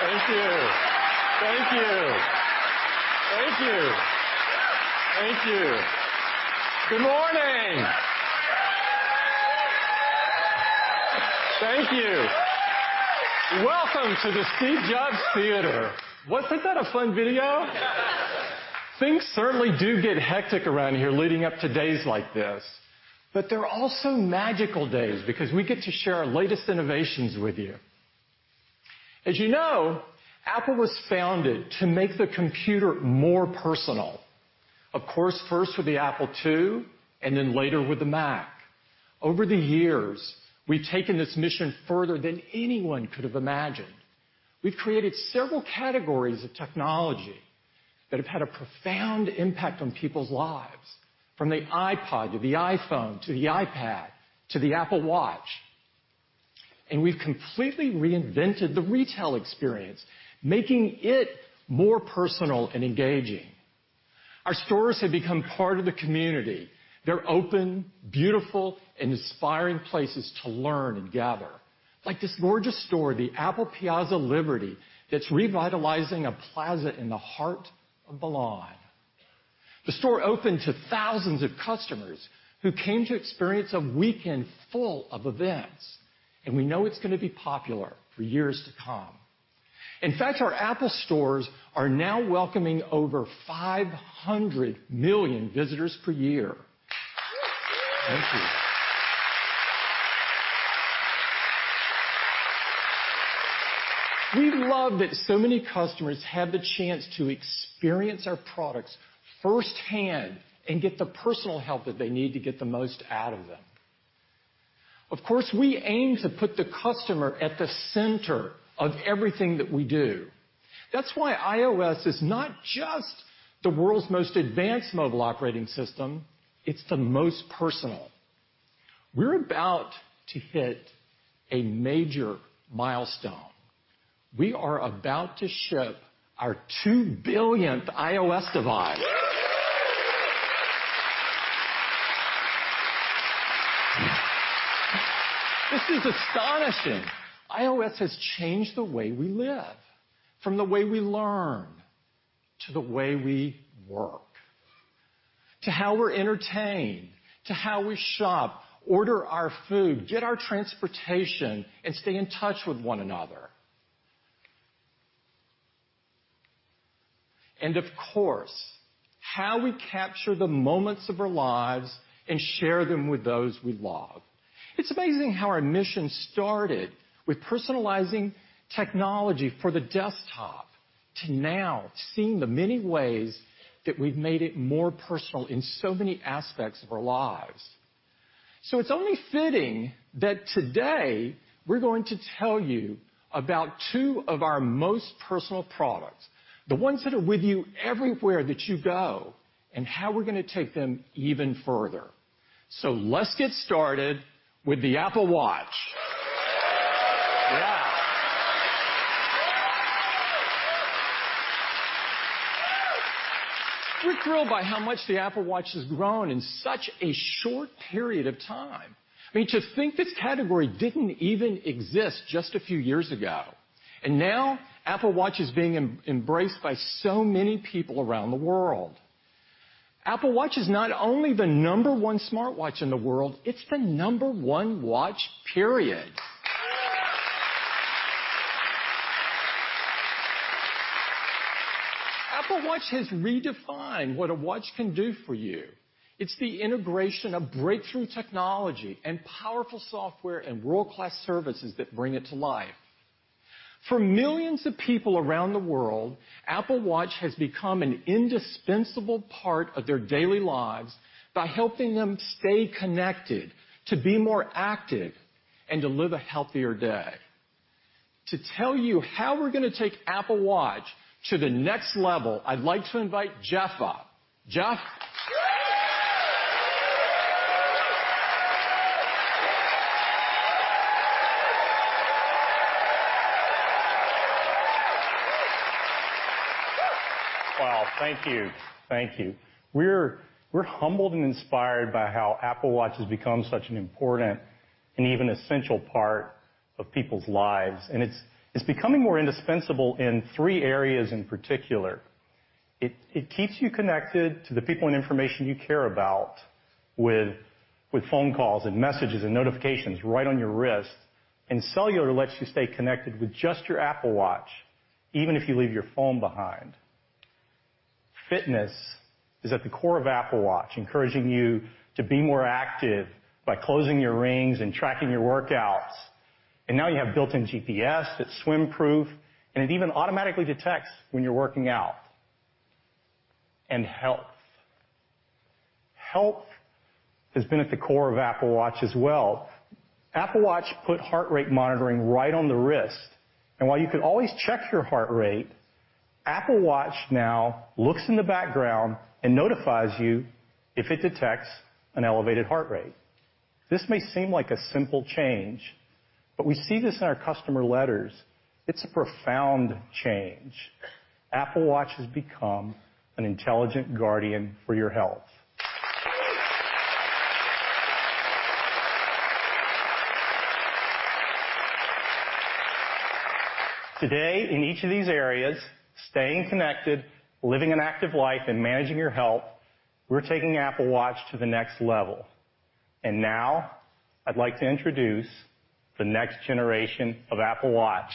Thank you. Thank you. Thank you. Thank you. Good morning. Thank you. Welcome to the Steve Jobs Theater. Wasn't that a fun video? Things certainly do get hectic around here leading up to days like this, but they're also magical days because we get to share our latest innovations with you. As you know, Apple was founded to make the computer more personal. Of course, first with the Apple II, and then later with the Mac. Over the years, we've taken this mission further than anyone could have imagined. We've created several categories of technology that have had a profound impact on people's lives, from the iPod to the iPhone, to the iPad, to the Apple Watch. We've completely reinvented the retail experience, making it more personal and engaging. Our stores have become part of the community. They're open, beautiful, and inspiring places to learn and gather, like this gorgeous store, the Apple Piazza Liberty, that's revitalizing a plaza in the heart of Milan. The store opened to thousands of customers who came to experience a weekend full of events, and we know it's going to be popular for years to come. In fact, our Apple stores are now welcoming over 500 million visitors per year. Thank you. We love that so many customers have the chance to experience our products firsthand and get the personal help that they need to get the most out of them. Of course, we aim to put the customer at the center of everything that we do. That's why iOS is not just the world's most advanced mobile operating system, it's the most personal. We're about to hit a major milestone. We are about to ship our 2 billionth iOS device. This is astonishing. iOS has changed the way we live, from the way we learn, to the way we work, to how we're entertained, to how we shop, order our food, get our transportation, and stay in touch with one another. Of course, how we capture the moments of our lives and share them with those we love. It's amazing how our mission started with personalizing technology for the desktop to now seeing the many ways that we've made it more personal in so many aspects of our lives. It's only fitting that today we're going to tell you about two of our most personal products, the ones that are with you everywhere that you go, and how we're going to take them even further. Let's get started with the Apple Watch. Yeah. We're thrilled by how much the Apple Watch has grown in such a short period of time. To think this category didn't even exist just a few years ago, and now Apple Watch is being embraced by so many people around the world. Apple Watch is not only the number 1 smartwatch in the world, it's the number 1 watch, period. Apple Watch has redefined what a watch can do for you. It's the integration of breakthrough technology and powerful software and world-class services that bring it to life. For millions of people around the world, Apple Watch has become an indispensable part of their daily lives by helping them stay connected, to be more active, and to live a healthier day. To tell you how we're going to take Apple Watch to the next level, I'd like to invite Jeff up. Jeff? Wow. Thank you. Thank you. We're humbled and inspired by how Apple Watch has become such an important and even essential part of people's lives, and it's becoming more indispensable in 3 areas in particular. It keeps you connected to the people and information you care about with phone calls and messages and notifications right on your wrist, and cellular lets you stay connected with just your Apple Watch, even if you leave your phone behind. Fitness is at the core of Apple Watch, encouraging you to be more active by closing your rings and tracking your workouts. Now you have built-in GPS that's swim proof, and it even automatically detects when you're working out. Health. Health has been at the core of Apple Watch as well. Apple Watch put heart rate monitoring right on the wrist, and while you could always check your heart rate, Apple Watch now looks in the background and notifies you if it detects an elevated heart rate. This may seem like a simple change, but we see this in our customer letters. It's a profound change. Apple Watch has become an intelligent guardian for your health. Today, in each of these areas, staying connected, living an active life, and managing your health, we're taking Apple Watch to the next level. Now I'd like to introduce the next generation of Apple Watch.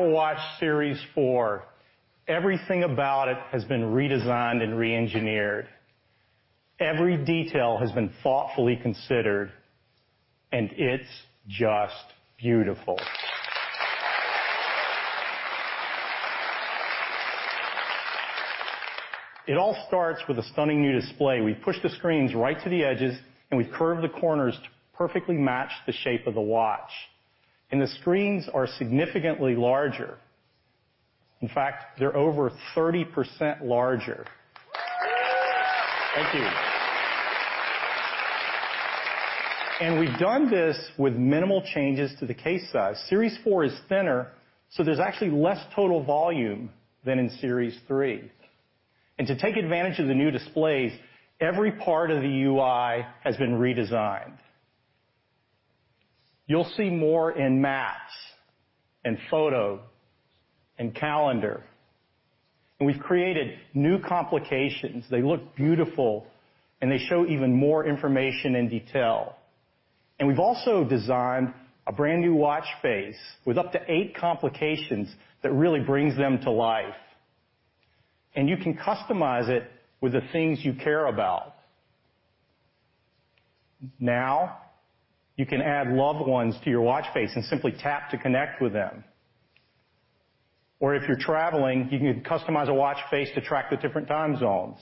Apple Watch Series 4. Everything about it has been redesigned and re-engineered. Every detail has been thoughtfully considered, and it's just beautiful. It all starts with a stunning new display. We've pushed the screens right to the edges, and we've curved the corners to perfectly match the shape of the watch. The screens are significantly larger. In fact, they're over 30% larger. Thank you. We've done this with minimal changes to the case size. Series 4 is thinner, so there's actually less total volume than in Series 3. To take advantage of the new displays, every part of the UI has been redesigned. You'll see more in Maps, in Photo, in Calendar. We've created new complications. They look beautiful, and they show even more information and detail. We've also designed a brand-new watch face with up to eight complications that really brings them to life. You can customize it with the things you care about. Now, you can add loved ones to your watch face and simply tap to connect with them. If you're traveling, you can customize a watch face to track the different time zones.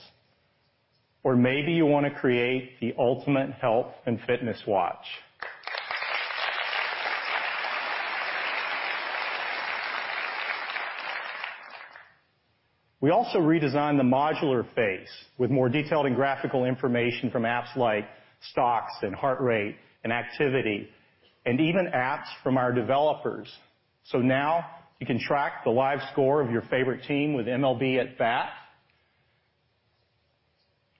Maybe you want to create the ultimate health and fitness watch. We also redesigned the modular face with more detailed and graphical information from apps like Stocks and Heart Rate and Activity, and even apps from our developers. Now you can track the live score of your favorite team with MLB At Bat.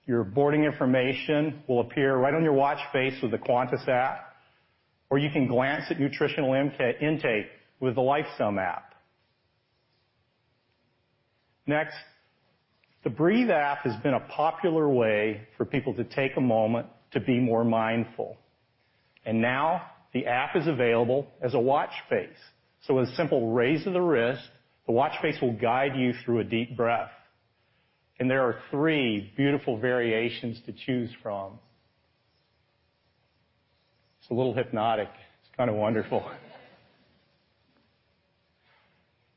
Your boarding information will appear right on your watch face with the Qantas app, or you can glance at nutritional intake with the Lifesum app. Next, the Breathe app has been a popular way for people to take a moment to be more mindful. Now the app is available as a watch face. With a simple raise of the wrist, the watch face will guide you through a deep breath. There are three beautiful variations to choose from. It's a little hypnotic. It's kind of wonderful.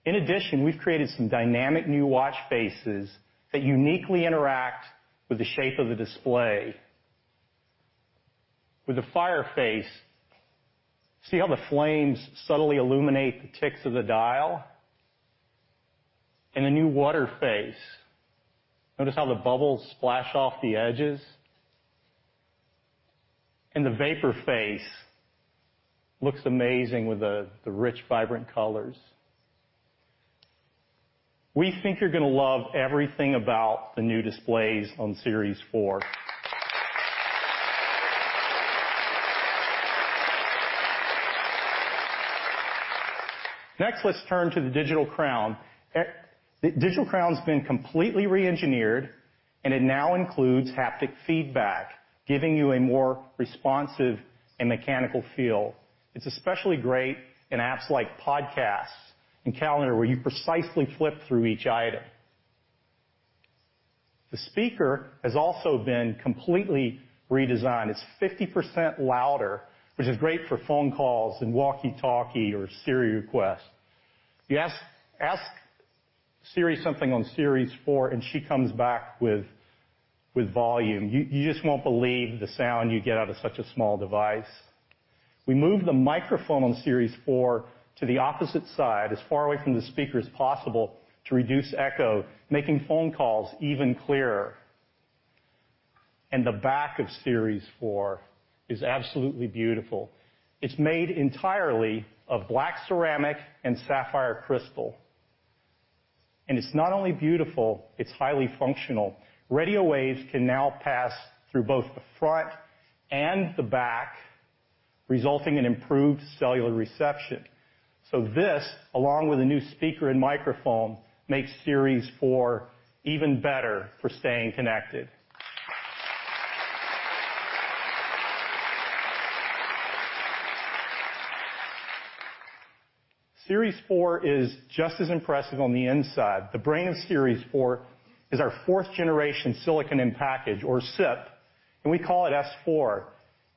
In addition, we've created some dynamic new watch faces that uniquely interact with the shape of the display. With the Fire face, see how the flames subtly illuminate the ticks of the dial? In the new Water face, notice how the bubbles splash off the edges? The Vapor face looks amazing with the rich, vibrant colors. We think you're going to love everything about the new displays on Series 4. Next, let's turn to the Digital Crown. The Digital Crown's been completely re-engineered, and it now includes haptic feedback, giving you a more responsive and mechanical feel. It's especially great in apps like Apple Podcasts and Calendar, where you precisely flip through each item. The speaker has also been completely redesigned. It's 50% louder, which is great for phone calls and walkie-talkie or Siri requests. You ask Siri something on Series 4, and she comes back with volume. You just won't believe the sound you get out of such a small device. We moved the microphone on Series 4 to the opposite side, as far away from the speaker as possible to reduce echo, making phone calls even clearer. The back of Series 4 is absolutely beautiful. It's made entirely of black ceramic and sapphire crystal. It's not only beautiful, it's highly functional. Radio waves can now pass through both the front and the back, resulting in improved cellular reception. This, along with a new speaker and microphone, makes Series 4 even better for staying connected. Series 4 is just as impressive on the inside. The brain of Series 4 is our 4th-generation silicon in package, or SiP, and we call it S4,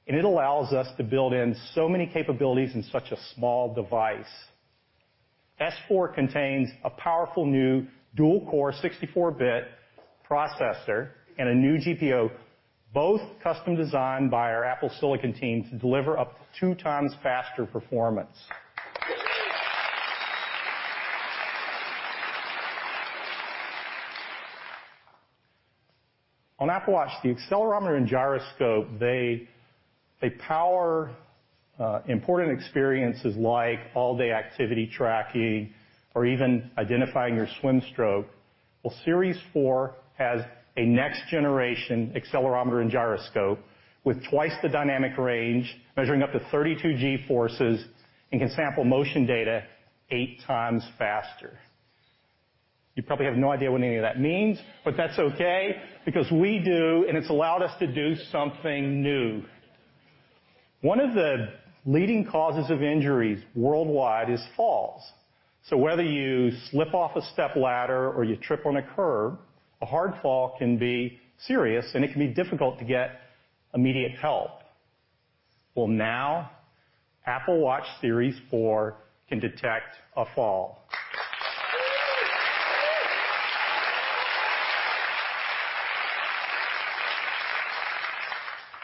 and it allows us to build in so many capabilities in such a small device. S4 contains a powerful new dual-core 64-bit processor and a new GPU, both custom designed by our Apple silicon team to deliver up to two times faster performance. On Apple Watch, the accelerometer and gyroscope, they power important experiences like all-day activity tracking or even identifying your swim stroke. Well, Series 4 has a next-generation accelerometer and gyroscope with twice the dynamic range, measuring up to 32 G forces, and can sample motion data eight times faster. You probably have no idea what any of that means, but that's okay, because we do, and it's allowed us to do something new. One of the leading causes of injuries worldwide is falls. Whether you slip off a stepladder or you trip on a curb, a hard fall can be serious, and it can be difficult to get immediate help. Well, now Apple Watch Series 4 can detect a fall.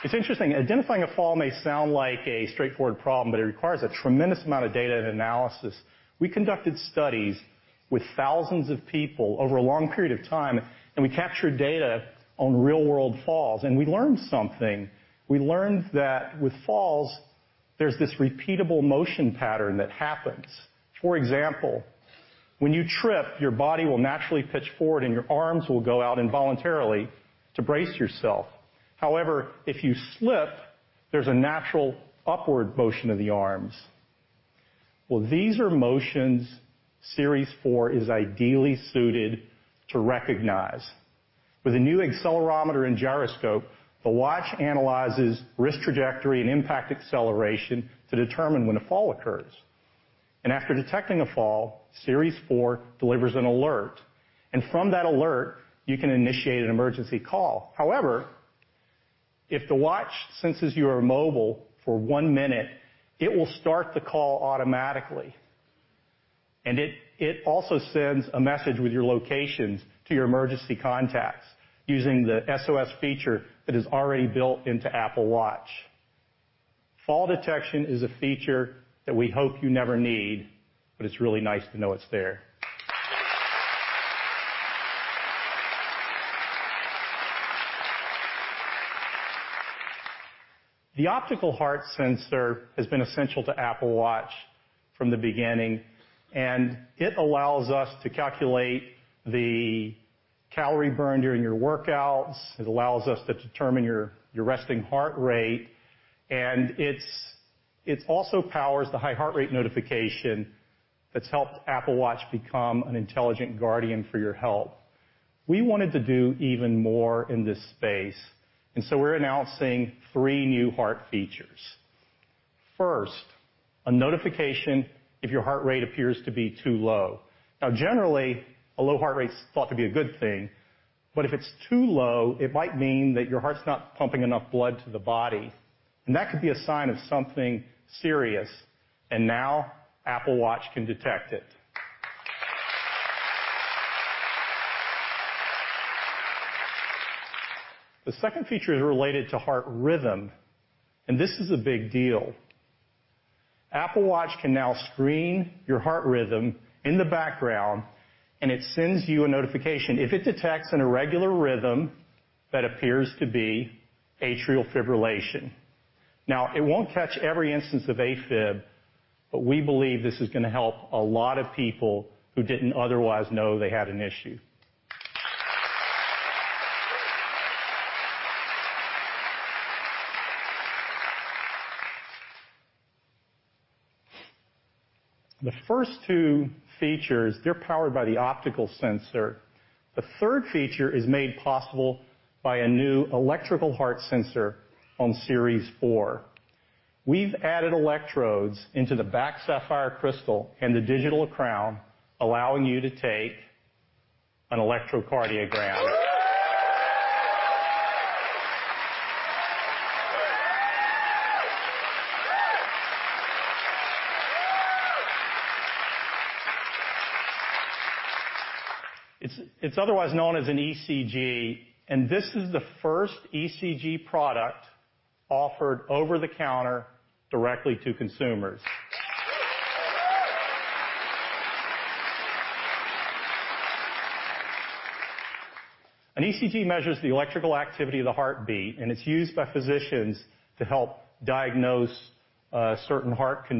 It's interesting. Identifying a fall may sound like a straightforward problem, but it requires a tremendous amount of data and analysis. We conducted studies with thousands of people over a long period of time, and we captured data on real-world falls, and we learned something. We learned that with falls, there's this repeatable motion pattern that happens. For example, when you trip, your body will naturally pitch forward, and your arms will go out involuntarily to brace yourself. However, if you slip, there's a natural upward motion of the arms. Well, these are motions Series 4 is ideally suited to recognize. With a new accelerometer and gyroscope, the watch analyzes wrist trajectory and impact acceleration to determine when a fall occurs. After detecting a fall, Series 4 delivers an alert, and from that alert, you can initiate an emergency call. However, if the watch senses you are mobile for one minute, it will start the call automatically. It also sends a message with your location to your emergency contacts using the SOS feature that is already built into Apple Watch. Fall detection is a feature that we hope you never need, but it's really nice to know it's there. The optical heart sensor has been essential to Apple Watch from the beginning, and it allows us to calculate the calorie burn during your workouts. It allows us to determine your resting heart rate, and it also powers the high heart rate notification that's helped Apple Watch become an intelligent guardian for your health. We wanted to do even more in this space, we're announcing three new heart features. First, a notification if your heart rate appears to be too low. Generally, a low heart rate is thought to be a good thing, but if it's too low, it might mean that your heart's not pumping enough blood to the body, and that could be a sign of something serious. Now Apple Watch can detect it. The second feature is related to heart rhythm, this is a big deal. Apple Watch can now screen your heart rhythm in the background, it sends you a notification if it detects an irregular rhythm that appears to be atrial fibrillation. Now, it won't catch every instance of AFib, but we believe this is going to help a lot of people who didn't otherwise know they had an issue. The first two features, they're powered by the optical sensor. The third feature is made possible by a new electrical heart sensor on Series 4. We've added electrodes into the back sapphire crystal and the Digital Crown, allowing you to take an electrocardiogram. It's otherwise known as an ECG, this is the first ECG product offered over the counter directly to consumers. An ECG measures the electrical activity of the heartbeat, and it's used by physicians to help diagnose certain heart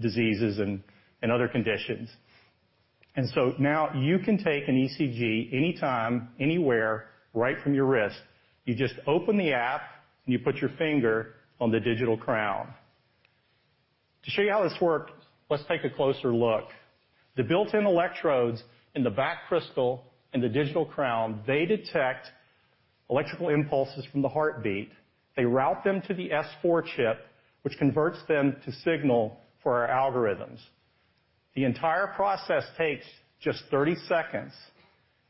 diseases and other conditions. Now you can take an ECG anytime, anywhere, right from your wrist. You just open the app, and you put your finger on the Digital Crown. To show you how this works, let's take a closer look. The built-in electrodes in the back crystal and the Digital Crown, they detect electrical impulses from the heartbeat. They route them to the S4 chip, which converts them to signal for our algorithms. The entire process takes just 30 seconds,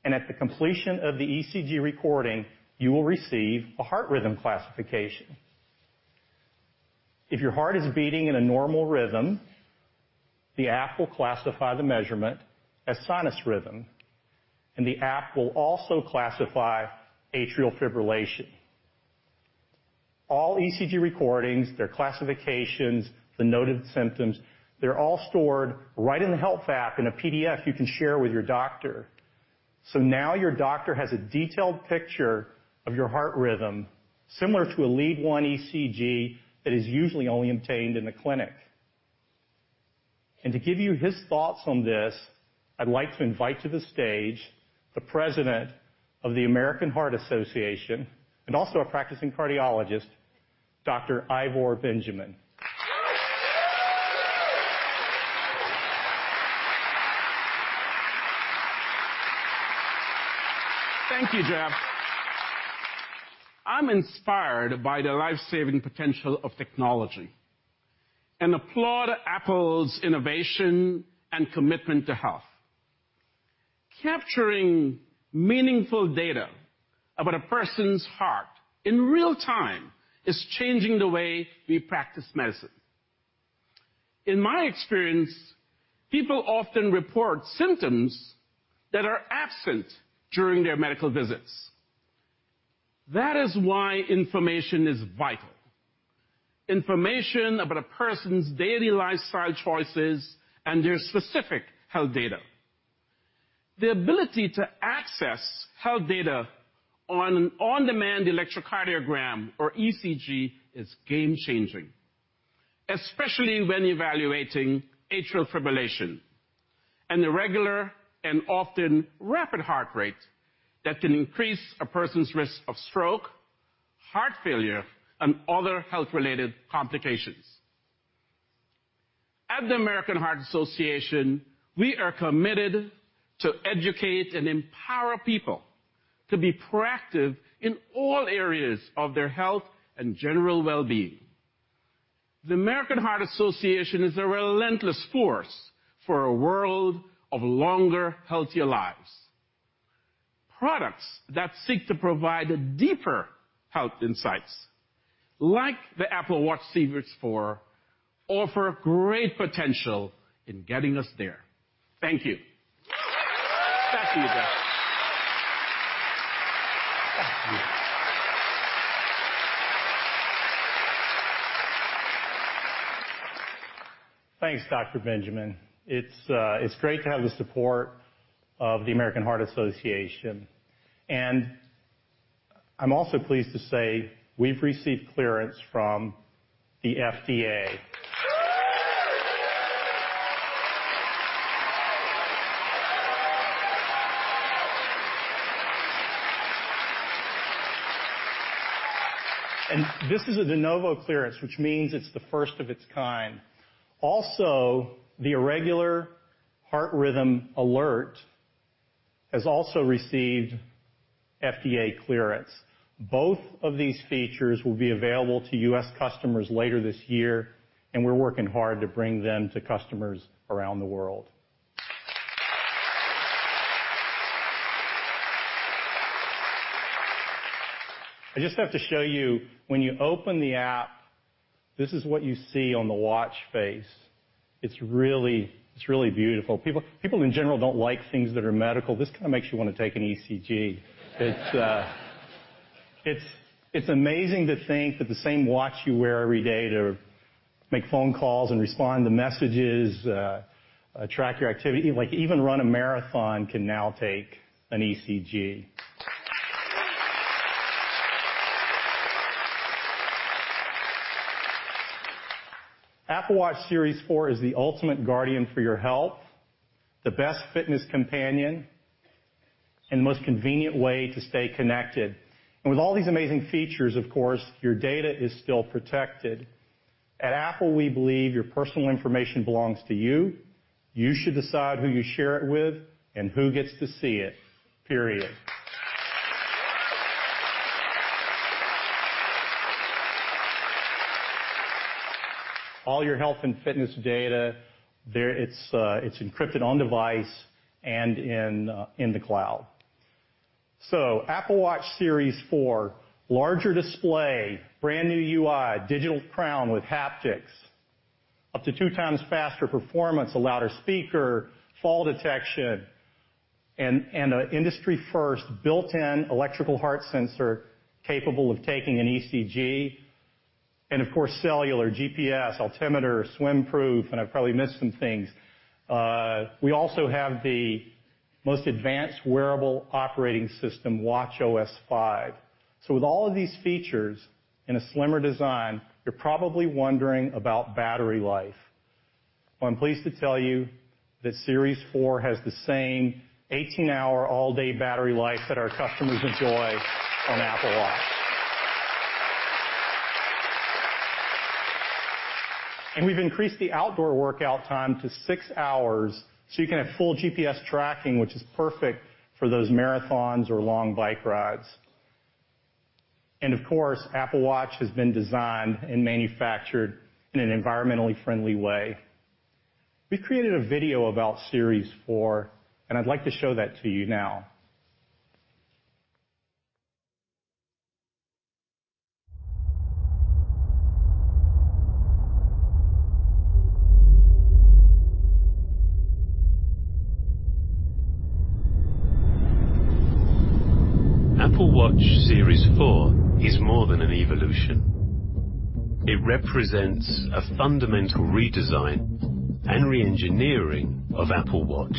at the completion of the ECG recording, you will receive a heart rhythm classification. If your heart is beating in a normal rhythm, the app will classify the measurement as sinus rhythm, and the app will also classify atrial fibrillation. All ECG recordings, their classifications, the noted symptoms, they're all stored right in the Health app in a PDF you can share with your doctor. Now your doctor has a detailed picture of your heart rhythm, similar to a lead I ECG that is usually only obtained in the clinic. To give you his thoughts on this, I'd like to invite to the stage the President of the American Heart Association and also a practicing cardiologist, Dr. Ivor Benjamin. Thank you, Jeff. I'm inspired by the life-saving potential of technology and applaud Apple's innovation and commitment to health. Capturing meaningful data about a person's heart in real time is changing the way we practice medicine. In my experience, people often report symptoms that are absent during their medical visits. That is why information is vital, information about a person's daily lifestyle choices and their specific health data. The ability to access health data on an on-demand electrocardiogram or ECG is game-changing, especially when evaluating atrial fibrillation, an irregular and often rapid heart rate that can increase a person's risk of stroke, heart failure, and other health-related complications. At the American Heart Association, we are committed to educate and empower people to be proactive in all areas of their health and general well-being. The American Heart Association is a relentless force for a world of longer, healthier lives. Products that seek to provide deeper health insights, like the Apple Watch Series 4, offer great potential in getting us there. Thank you. Thank you, Jeff. Thank you. Thanks, Dr. Benjamin. It's great to have the support of the American Heart Association. I'm also pleased to say we've received clearance from the FDA. This is a de novo clearance, which means it's the first of its kind. Also, the irregular heart rhythm alert has also received FDA clearance. Both of these features will be available to U.S. customers later this year. We're working hard to bring them to customers around the world. I just have to show you, when you open the app, this is what you see on the watch face. It's really beautiful. People in general don't like things that are medical. This kind of makes you want to take an ECG. It's amazing to think that the same watch you wear every day to make phone calls and respond to messages, track your activity, even run a marathon, can now take an ECG. Apple Watch Series 4 is the ultimate guardian for your health, the best fitness companion, and the most convenient way to stay connected. With all these amazing features, of course, your data is still protected. At Apple, we believe your personal information belongs to you. You should decide who you share it with and who gets to see it, period. All your health and fitness data, it's encrypted on device and in the cloud. Apple Watch Series 4, larger display, brand-new UI, Digital Crown with haptics, up to two times faster performance, a louder speaker, fall detection, and an industry-first built-in electrical heart sensor capable of taking an ECG, and of course, cellular, GPS, altimeter, swim proof, and I've probably missed some things. We also have the most advanced wearable operating system, watchOS 5. With all of these features in a slimmer design, you're probably wondering about battery life. Well, I'm pleased to tell you that Series 4 has the same 18-hour all-day battery life that our customers enjoy on Apple Watch. We've increased the outdoor workout time to six hours, so you can have full GPS tracking, which is perfect for those marathons or long bike rides. Of course, Apple Watch has been designed and manufactured in an environmentally friendly way. We've created a video about Series 4, and I'd like to show that to you now. Apple Watch Series 4 is more than an evolution. It represents a fundamental redesign and re-engineering of Apple Watch.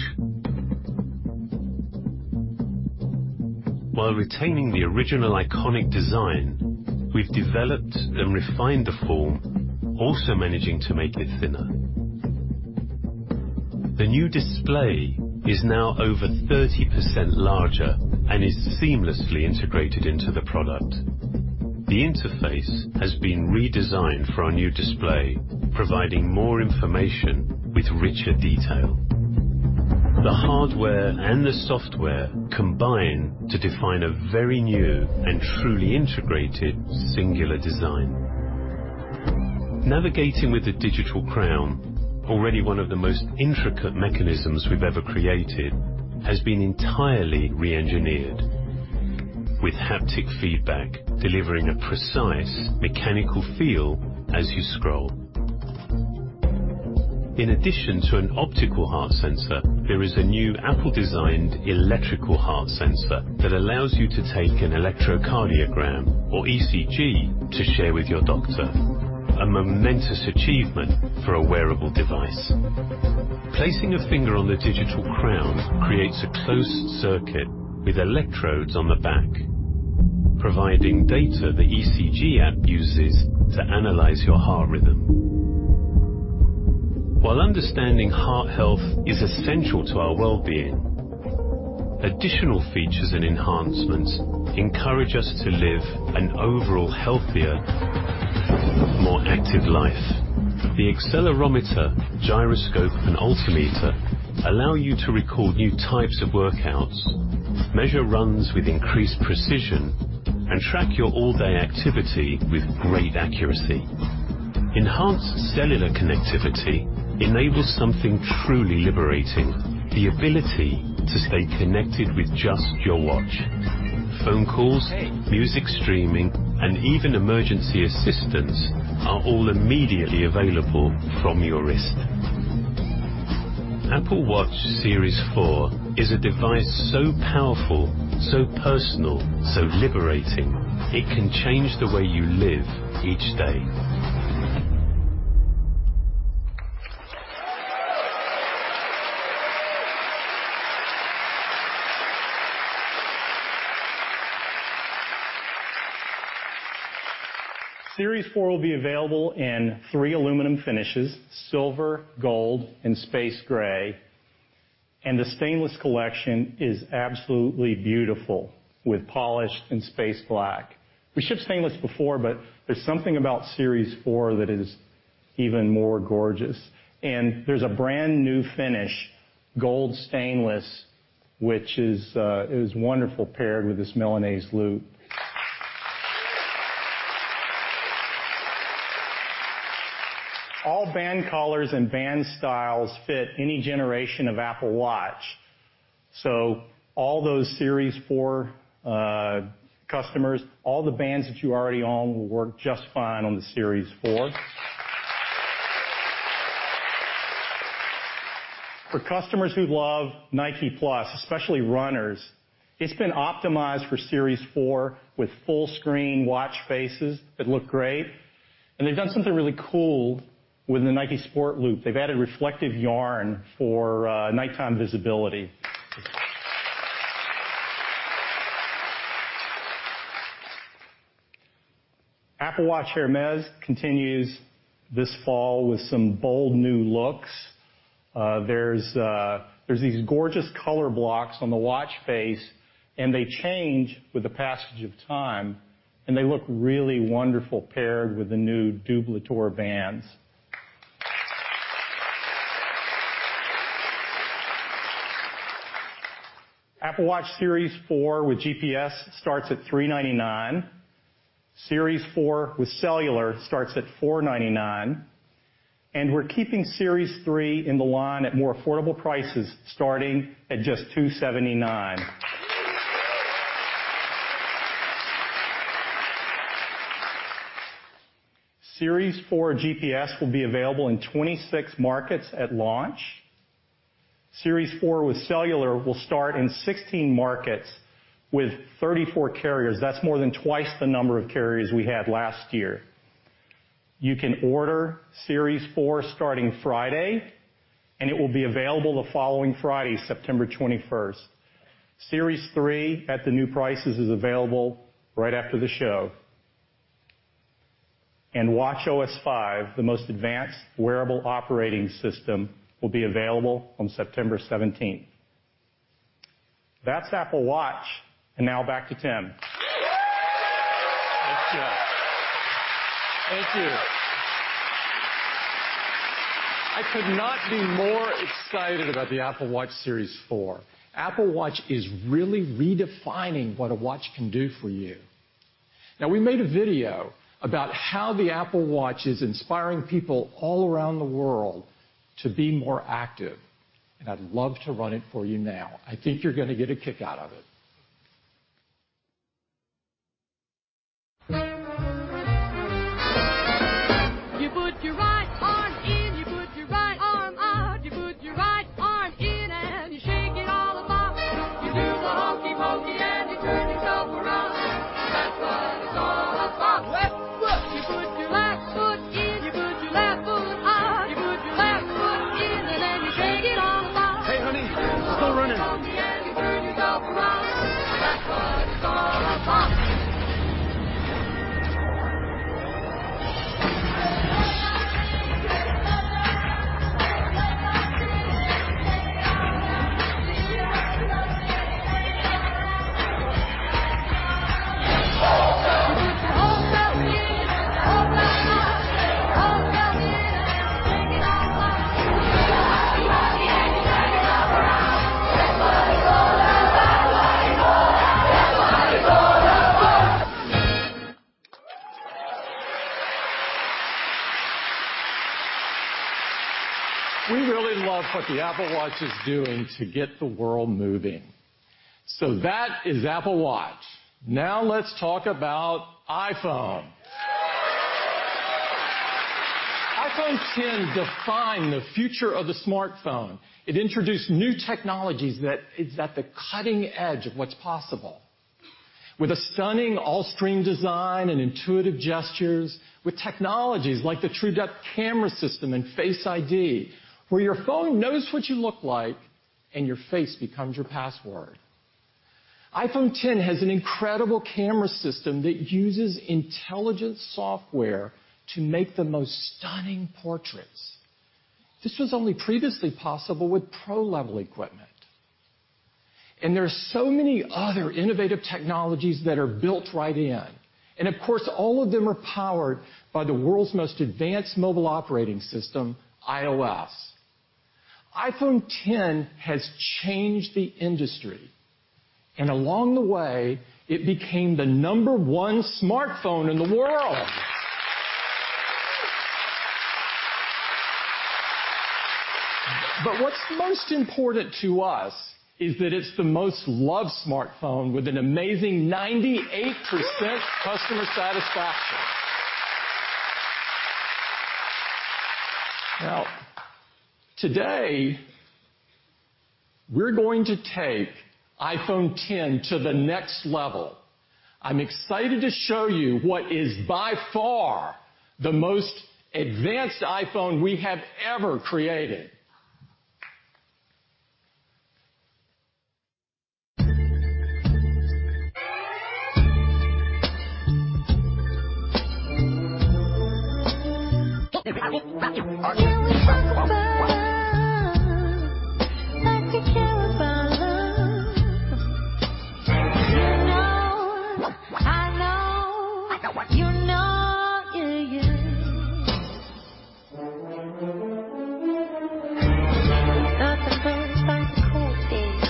While retaining the original iconic design, we've developed and refined the form, also managing to make it thinner. The new display is now over 30% larger and is seamlessly integrated into the product. The interface has been redesigned for our new display, providing more information with richer detail. The hardware and the software combine to define a very new and truly integrated singular design. Navigating with the Digital Crown, already one of the most intricate mechanisms we've ever created, has been entirely re-engineered, with haptic feedback delivering a precise mechanical feel as you scroll. In addition to an optical heart sensor, there is a new Apple-designed electrical heart sensor that allows you to take an electrocardiogram, or ECG, to share with your doctor. A momentous achievement for a wearable device. Placing a finger on the Digital Crown creates a closed circuit with electrodes on the back, providing data the ECG app uses to analyze your heart rhythm. While understanding heart health is essential to our well-being, additional features and enhancements encourage us to live an overall healthier, more active life. The accelerometer, gyroscope, and altimeter allow you to record new types of workouts, measure runs with increased precision, and track your all-day activity with great accuracy. Enhanced cellular connectivity enables something truly liberating, the ability to stay connected with just your watch. Phone calls- Hey music streaming, and even emergency assistance are all immediately available from your wrist. Apple Watch Series 4 is a device so powerful, so personal, so liberating, it can change the way you live each day. Series 4 will be available in three aluminum finishes, silver, gold, and space gray. The stainless collection is absolutely beautiful with polished and space black. We shipped stainless before, but there's something about Series 4 that is even more gorgeous. There's a brand-new finish, gold stainless, which is wonderful paired with this Milanese Loop. All band colors and band styles fit any generation of Apple Watch. So all those Series 4 customers, all the bands that you already own will work just fine on the Series 4. For customers who love Nike+, especially runners, it's been optimized for Series 4 with full-screen watch faces that look great, and they've done something really cool with the Nike Sport Loop. They've added reflective yarn for nighttime visibility. Apple Watch Hermès continues this fall with some bold new looks. There's these gorgeous color blocks on the watch face, and they change with the passage of time, and they look really wonderful paired with the new Double Tour bands. Apple Watch Series 4 with GPS starts at $399. Series 4 with cellular starts at $499. We're keeping Series 3 in the line at more affordable prices, starting at just $279. Series 4 GPS will be available in 26 markets at launch. Series 4 with cellular will start in 16 markets with 34 carriers. That's more than twice the number of carriers we had last year. You can order Series 4 starting Friday, and it will be available the following Friday, September 21st. Series 3 at the new prices is available right after the show. watchOS 5, the most advanced wearable operating system, will be available on September 17th. That's Apple Watch, and now back to Tim. Thanks, Jeff. Thank you. I could not be more excited about the Apple Watch Series 4. Apple Watch is really redefining what a watch can do for you. We made a video about how the Apple Watch is inspiring people all around the world to be more active, and I'd love to run it for you now. I think you're going to get a kick out of it. where your phone knows what you look like and your face becomes your password. iPhone X has an incredible camera system that uses intelligent software to make the most stunning portraits. This was only previously possible with pro-level equipment. There are so many other innovative technologies that are built right in. Of course, all of them are powered by the world's most advanced mobile operating system, iOS. iPhone X has changed the industry, and along the way, it became the number one smartphone in the world. What's most important to us is that it's the most loved smartphone with an amazing 98% customer satisfaction. Today, we're going to take iPhone X to the next level. I'm excited to show you what is by far the most advanced iPhone we have ever created. Can we talk about love? Like you care about love. You know, I know. I know. You know it. You thought the birds like to cool things.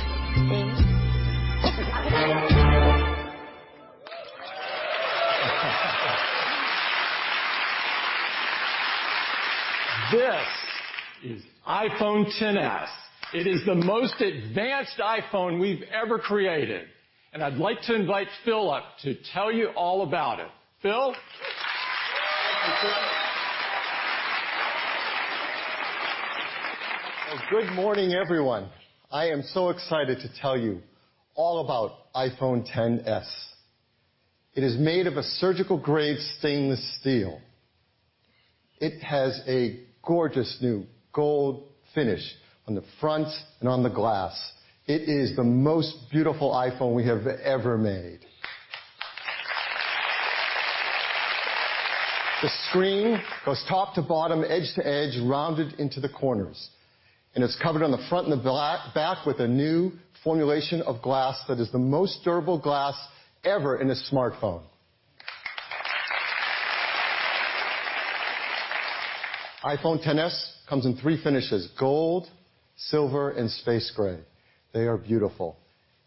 This is iPhone XS. It is the most advanced iPhone we've ever created, and I'd like to invite Phil up to tell you all about it. Phil? Thank you, Tim. Well, good morning, everyone. I am so excited to tell you all about iPhone XS. It is made of a surgical-grade stainless steel. It has a gorgeous new gold finish on the front and on the glass. It is the most beautiful iPhone we have ever made. The screen goes top to bottom, edge to edge, rounded into the corners, and it's covered on the front and the back with a new formulation of glass that is the most durable glass ever in a smartphone. iPhone XS comes in three finishes: gold, silver, and space gray. They are beautiful,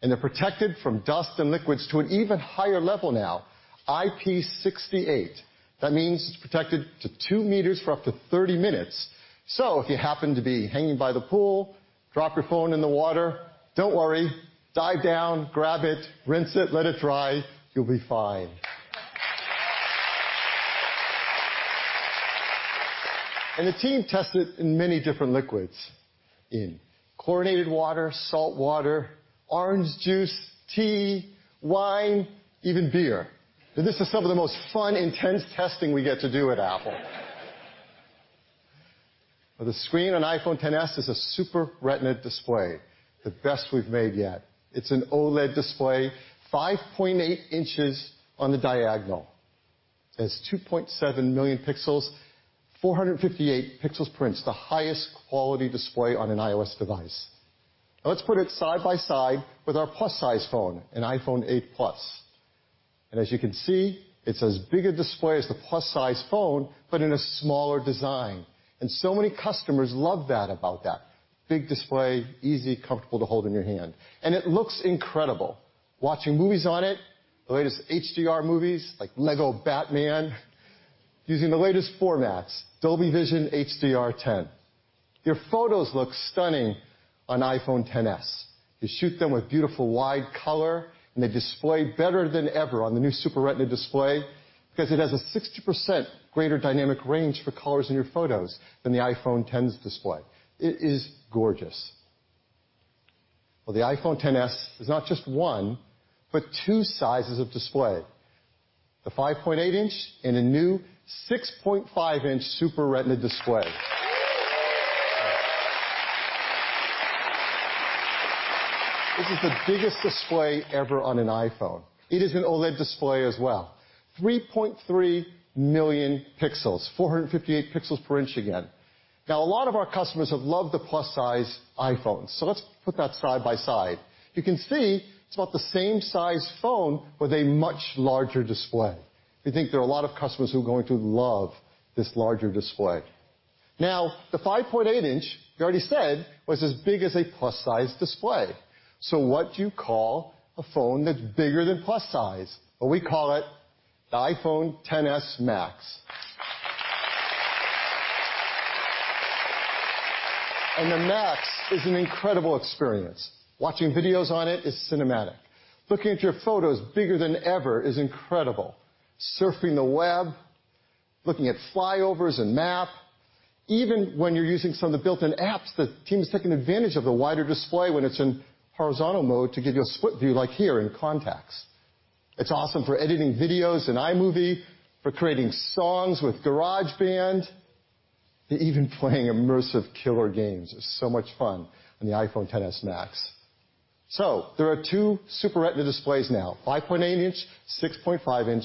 and they're protected from dust and liquids to an even higher level now, IP68. That means it's protected to two meters for up to 30 minutes. If you happen to be hanging by the pool, drop your phone in the water, don't worry. Dive down, grab it, rinse it, let it dry. You'll be fine. The team tested in many different liquids, in chlorinated water, salt water, orange juice, tea, wine, even beer. This is some of the most fun, intense testing we get to do at Apple. The screen on iPhone XS is a Super Retina display, the best we've made yet. It's an OLED display, 5.8 inches on the diagonal. It has 2.7 million pixels, 458 pixels per inch, the highest quality display on an iOS device. Let's put it side by side with our plus-size phone, an iPhone 8 Plus. As you can see, it's as big a display as the plus-size phone, but in a smaller design. So many customers love that about that. Big display, easy, comfortable to hold in your hand. It looks incredible watching movies on it, the latest HDR movies, like Lego Batman, using the latest formats, Dolby Vision HDR10. Your photos look stunning on iPhone XS. You shoot them with beautiful wide color, and they display better than ever on the new Super Retina display because it has a 60% greater dynamic range for colors in your photos than the iPhone X's display. It is gorgeous. Well, the iPhone XS is not just one, but two sizes of display, the 5.8 inch and a new 6.5-inch Super Retina display. This is the biggest display ever on an iPhone. It is an OLED display as well. 3.3 million pixels, 458 pixels per inch again. A lot of our customers have loved the plus-size iPhones, let's put that side by side. You can see it's about the same size phone with a much larger display. We think there are a lot of customers who are going to love this larger display. The 5.8 inch, we already said, was as big as a plus-size display. What do you call a phone that's bigger than plus size? Well, we call it the iPhone XS Max. The Max is an incredible experience. Watching videos on it is cinematic. Looking at your photos bigger than ever is incredible. Surfing the web, looking at flyovers and map, even when you're using some of the built-in apps, the team is taking advantage of the wider display when it's in horizontal mode to give you a split view, like here in Contacts. It's awesome for editing videos in iMovie, for creating songs with GarageBand, to even playing immersive killer games. It's so much fun on the iPhone XS Max. There are two Super Retina displays now, 5.8 inch, 6.5 inch.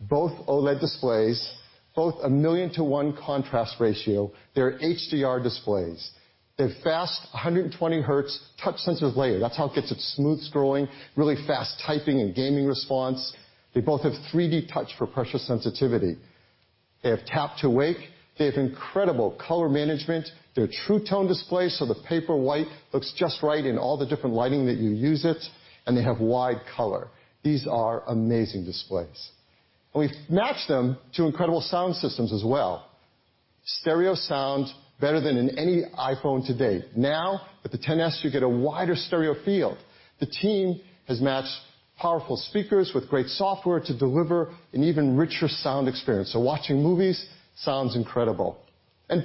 Both OLED displays, both a million to one contrast ratio. They're HDR displays. They have fast 120Hz touch-sensitive layer. That's how it gets its smooth scrolling, really fast typing and gaming response. They both have 3D Touch for pressure sensitivity. They have tap to wake. They have incredible color management. They're True Tone display, so the paper white looks just right in all the different lighting that you use it. They have wide color. These are amazing displays. We have matched them to incredible sound systems as well. Stereo sound better than in any iPhone to date. With the XS, you get a wider stereo field. The team has matched powerful speakers with great software to deliver an even richer sound experience, so watching movies sounds incredible.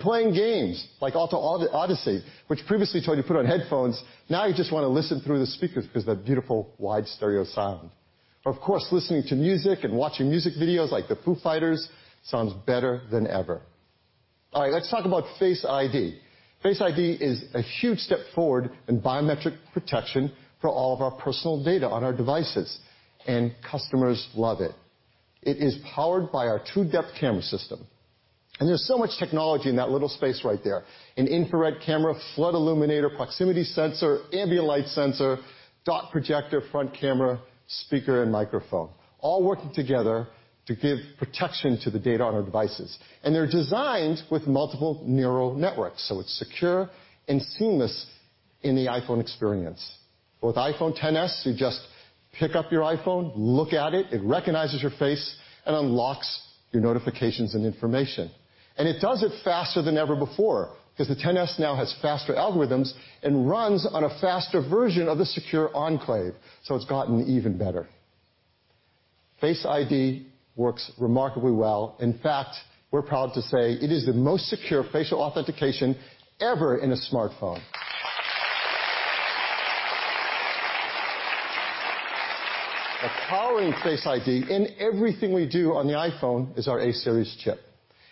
Playing games like Alto's Odyssey, which previously until you put on headphones, now you just want to listen through the speakers because of that beautiful wide stereo sound. Of course, listening to music and watching music videos like the Foo Fighters sounds better than ever. All right, let us talk about Face ID. Face ID is a huge step forward in biometric protection for all of our personal data on our devices, and customers love it. It is powered by our TrueDepth camera system, and there is so much technology in that little space right there. An infrared camera, flood illuminator, proximity sensor, ambient light sensor, dot projector, front camera, speaker, and microphone, all working together to give protection to the data on our devices. They are designed with multiple neural networks, so it is secure and seamless in the iPhone experience. With iPhone XS, you just pick up your iPhone, look at it recognizes your face, and unlocks your notifications and information. It does it faster than ever before because the XS now has faster algorithms and runs on a faster version of the Secure Enclave, so it has gotten even better. Face ID works remarkably well. In fact, we are proud to say it is the most secure facial authentication ever in a smartphone. Powering Face ID in everything we do on the iPhone is our A-series chip.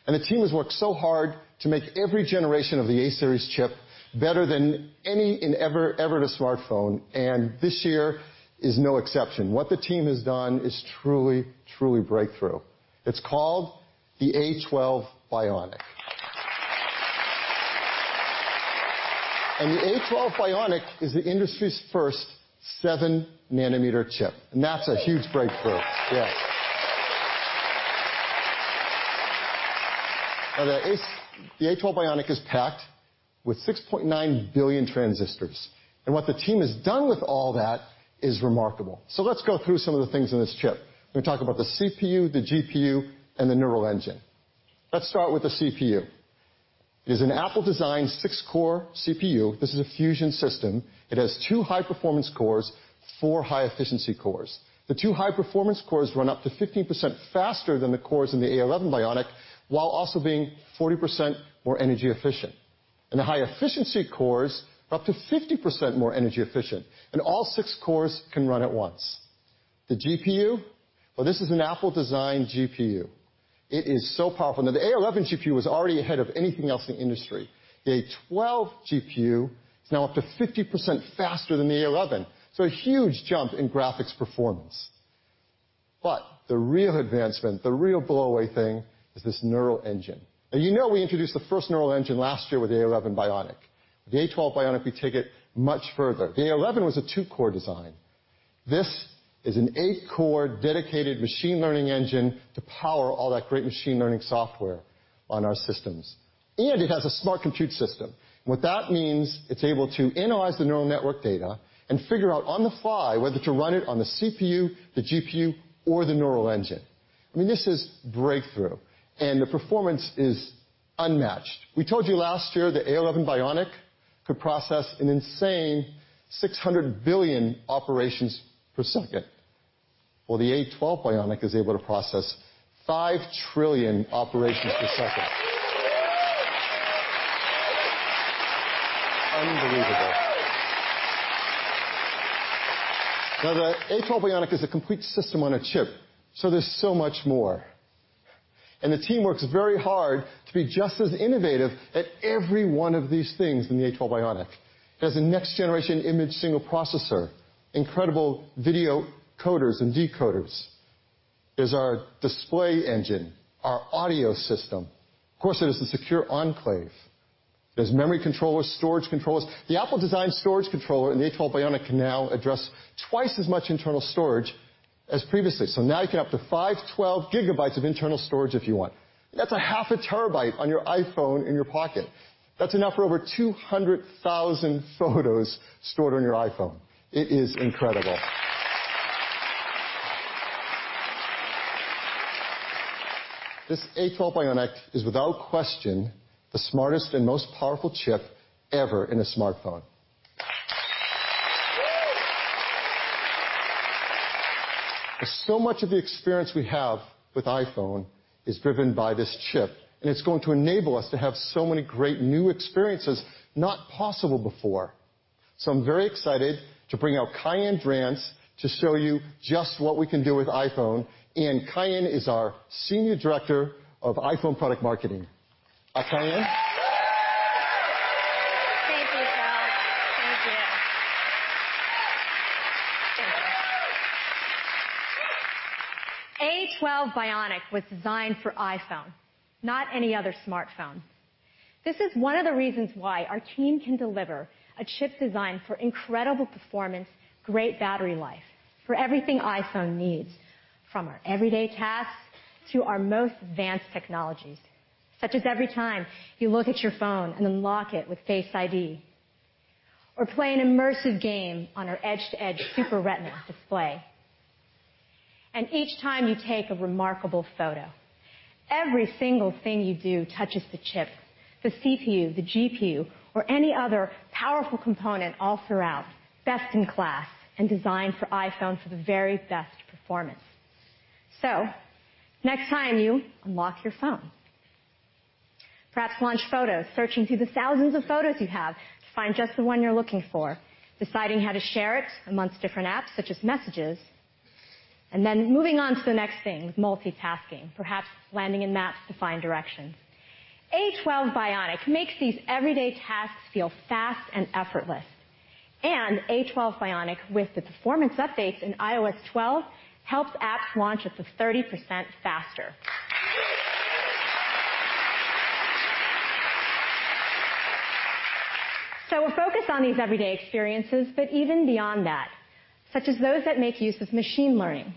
The team has worked so hard to make every generation of the A-series chip better than any and ever in a smartphone. This year is no exception. What the team has done is truly breakthrough. It is called the A12 Bionic. The A12 Bionic is the industry's first 7-nanometer chip, and that is a huge breakthrough. The A12 Bionic is packed with 6.9 billion transistors, and what the team has done with all that is remarkable. Let us go through some of the things in this chip. We are going to talk about the CPU, the GPU, and the Neural Engine. Let us start with the CPU. It is an Apple-designed 6-core CPU. This is a fusion system. It has 2 high-performance cores, 4 high-efficiency cores. The 2 high-performance cores run up to 15% faster than the cores in the A11 Bionic, while also being 40% more energy efficient. The high-efficiency cores are up to 50% more energy efficient, and all 6 cores can run at once. The GPU, this is an Apple-designed GPU. It is so powerful. The A11 GPU was already ahead of anything else in the industry. The A12 GPU is now up to 50% faster than the A11, so a huge jump in graphics performance. The real advancement, the real blow-away thing, is this Neural Engine. You know we introduced the first Neural Engine last year with the A11 Bionic. With the A12 Bionic, we take it much further. The A11 was a two-core design. This is an eight-core dedicated machine learning engine to power all that great machine learning software on our systems. It has a smart compute system, and what that means, it's able to analyze the neural network data and figure out on the fly whether to run it on the CPU, the GPU, or the Neural Engine. This is breakthrough, and the performance is unmatched. We told you last year that A11 Bionic could process an insane 600 billion operations per second. The A12 Bionic is able to process 5 trillion operations per second. Unbelievable. The A12 Bionic is a complete system on a chip, so there's so much more. The team works very hard to be just as innovative at every one of these things in the A12 Bionic. It has a next generation image signal processor, incredible video coders and decoders. There's our display engine, our audio system. Of course, there is the Secure Enclave. There's memory controllers, storage controllers. The Apple-designed storage controller in the A12 Bionic can now address twice as much internal storage as previously. Now you can have up to 512 gigabytes of internal storage if you want. That's a half a terabyte on your iPhone in your pocket. That's enough for over 200,000 photos stored on your iPhone. It is incredible. This A12 Bionic is without question the smartest and most powerful chip ever in a smartphone. Because so much of the experience we have with iPhone is driven by this chip, and it's going to enable us to have so many great new experiences not possible before. I'm very excited to bring out Kaiann Drance to show you just what we can do with iPhone. Kaiann is our senior director of iPhone product marketing. Hi, Kaiann. Thank you, Phil. Thank you. A12 Bionic was designed for iPhone, not any other smartphone. This is one of the reasons why our team can deliver a chip designed for incredible performance, great battery life, for everything iPhone needs, from our everyday tasks to our most advanced technologies, such as every time you look at your phone and unlock it with Face ID or play an immersive game on our edge-to-edge Super Retina display. Each time you take a remarkable photo. Every single thing you do touches the chip, the CPU, the GPU, or any other powerful component all throughout, best-in-class and designed for iPhone for the very best performance. Next time you unlock your phone, perhaps launch Photos, searching through the thousands of photos you have to find just the one you're looking for, deciding how to share it amongst different apps such as Messages, and then moving on to the next thing with multitasking, perhaps landing in Maps to find directions. A12 Bionic makes these everyday tasks feel fast and effortless. A12 Bionic with the performance updates in iOS 12 helps apps launch up to 30% faster. We're focused on these everyday experiences, but even beyond that, such as those that make use of machine learning.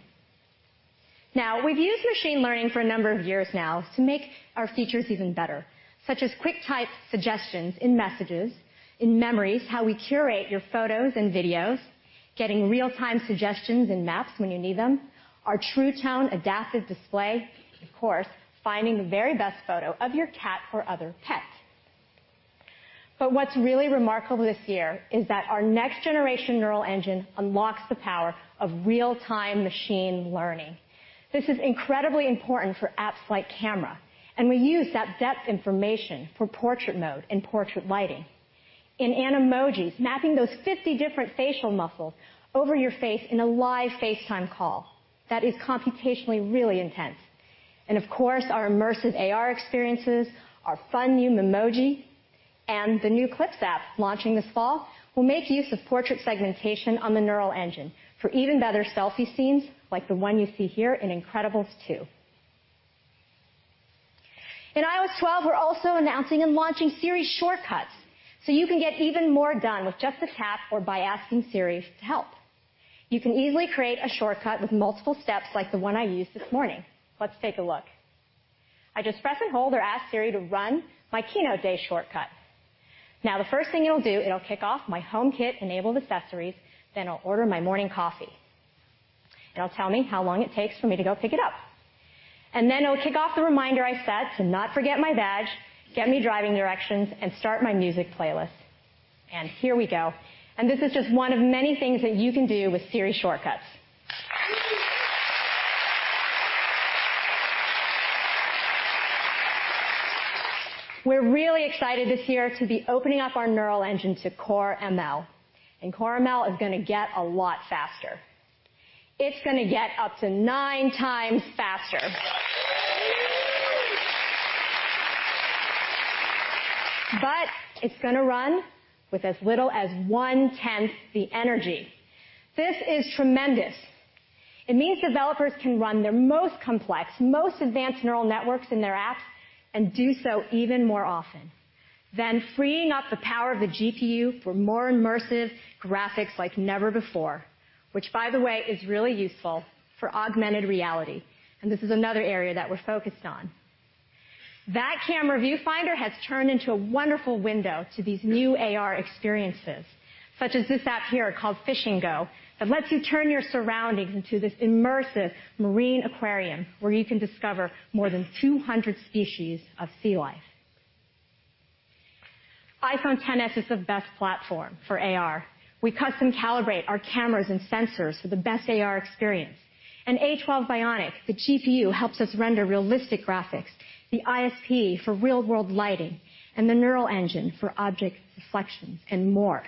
We've used machine learning for a number of years now to make our features even better, such as QuickType suggestions in Messages, in Memories, how we curate your photos and videos, getting real-time suggestions in Maps when you need them, our True Tone adaptive display, of course, finding the very best photo of your cat or other pet. What's really remarkable this year is that our next-generation Neural Engine unlocks the power of real-time machine learning. This is incredibly important for apps like Camera, and we use that depth information for Portrait mode and Portrait Lighting. In Animojis, mapping those 50 different facial muscles over your face in a live FaceTime call. That is computationally really intense. Of course, our immersive AR experiences, our fun new Memoji, and the new Clips app launching this fall will make use of portrait segmentation on the Neural Engine for even better selfie scenes like the one you see here in "Incredibles 2." In iOS 12, we're also announcing and launching Siri Shortcuts, so you can get even more done with just a tap or by asking Siri to help. You can easily create a shortcut with multiple steps like the one I used this morning. Let's take a look. I just press and hold or ask Siri to run my keynote day shortcut. The first thing it'll do, it'll kick off my HomeKit-enabled accessories, then it'll order my morning coffee. It'll tell me how long it takes for me to go pick it up. It'll kick off the reminder I set to not forget my badge, get me driving directions, and start my music playlist. Here we go. This is just one of many things that you can do with Siri Shortcuts. We're really excited this year to be opening up our Neural Engine to Core ML. Core ML is going to get a lot faster. It's going to get up to nine times faster. It's going to run with as little as one-tenth the energy. This is tremendous. It means developers can run their most complex, most advanced neural networks in their apps and do so even more often. Freeing up the power of the GPU for more immersive graphics like never before, which by the way, is really useful for augmented reality, and this is another area that we're focused on. That camera viewfinder has turned into a wonderful window to these new AR experiences, such as this app here called FishingGO, that lets you turn your surroundings into this immersive marine aquarium where you can discover more than 200 species of sea life. iPhone XS is the best platform for AR. We custom calibrate our cameras and sensors for the best AR experience. In A12 Bionic, the GPU helps us render realistic graphics, the ISP for real-world lighting, and the Neural Engine for object reflections and more.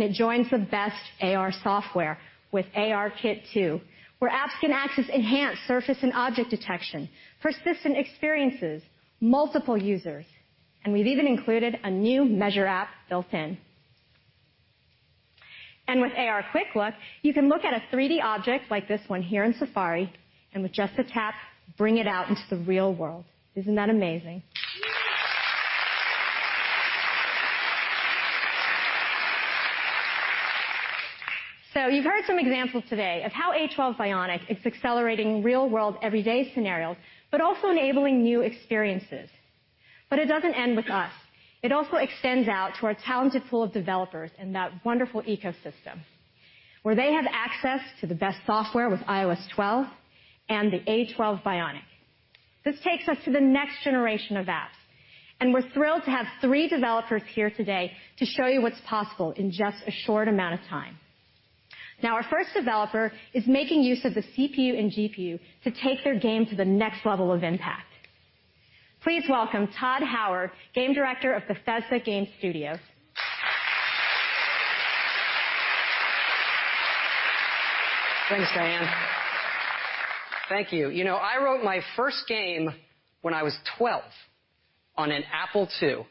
It joins the best AR software with ARKit 2, where apps can access enhanced surface and object detection, persistent experiences, multiple users, and we've even included a new measure app built in. With AR Quick Look, you can look at a 3D object like this one here in Safari, and with just a tap, bring it out into the real world. Isn't that amazing? You've heard some examples today of how A12 Bionic is accelerating real-world everyday scenarios, but also enabling new experiences. It doesn't end with us. It also extends out to our talented pool of developers in that wonderful ecosystem, where they have access to the best software with iOS 12 and the A12 Bionic. This takes us to the next generation of apps, and we're thrilled to have three developers here today to show you what's possible in just a short amount of time. Now, our first developer is making use of the CPU and GPU to take their game to the next level of impact. Please welcome Todd Howard, game director of Bethesda Game Studios. Thanks, Kaiann. Thank you. I wrote my first game when I was 12 on an Apple II.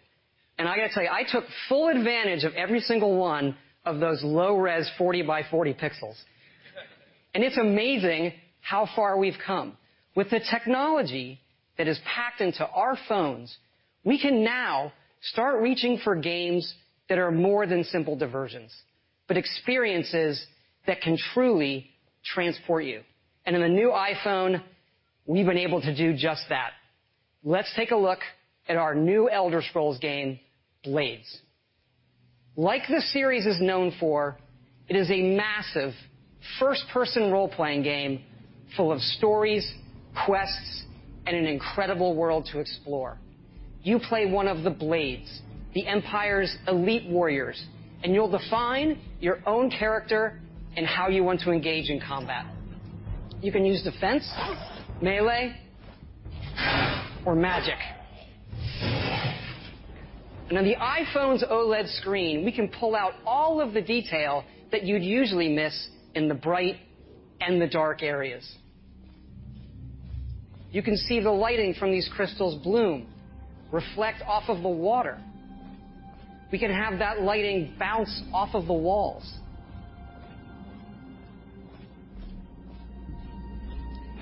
I got to tell you, I took full advantage of every single one of those low-res 40 by 40 pixels. It's amazing how far we've come. With the technology that is packed into our phones, we can now start reaching for games that are more than simple diversions, but experiences that can truly transport you. In the new iPhone, we've been able to do just that. Let's take a look at our new Elder Scrolls game, Blades. Like the series is known for, it is a massive first-person role-playing game full of stories, quests, and an incredible world to explore. You play one of the Blades, the empire's elite warriors, and you'll define your own character and how you want to engage in combat. You can use defense, melee, or magic. On the iPhone's OLED screen, we can pull out all of the detail that you'd usually miss in the bright and the dark areas. You can see the lighting from these crystals bloom, reflect off of the water. We can have that lighting bounce off of the walls.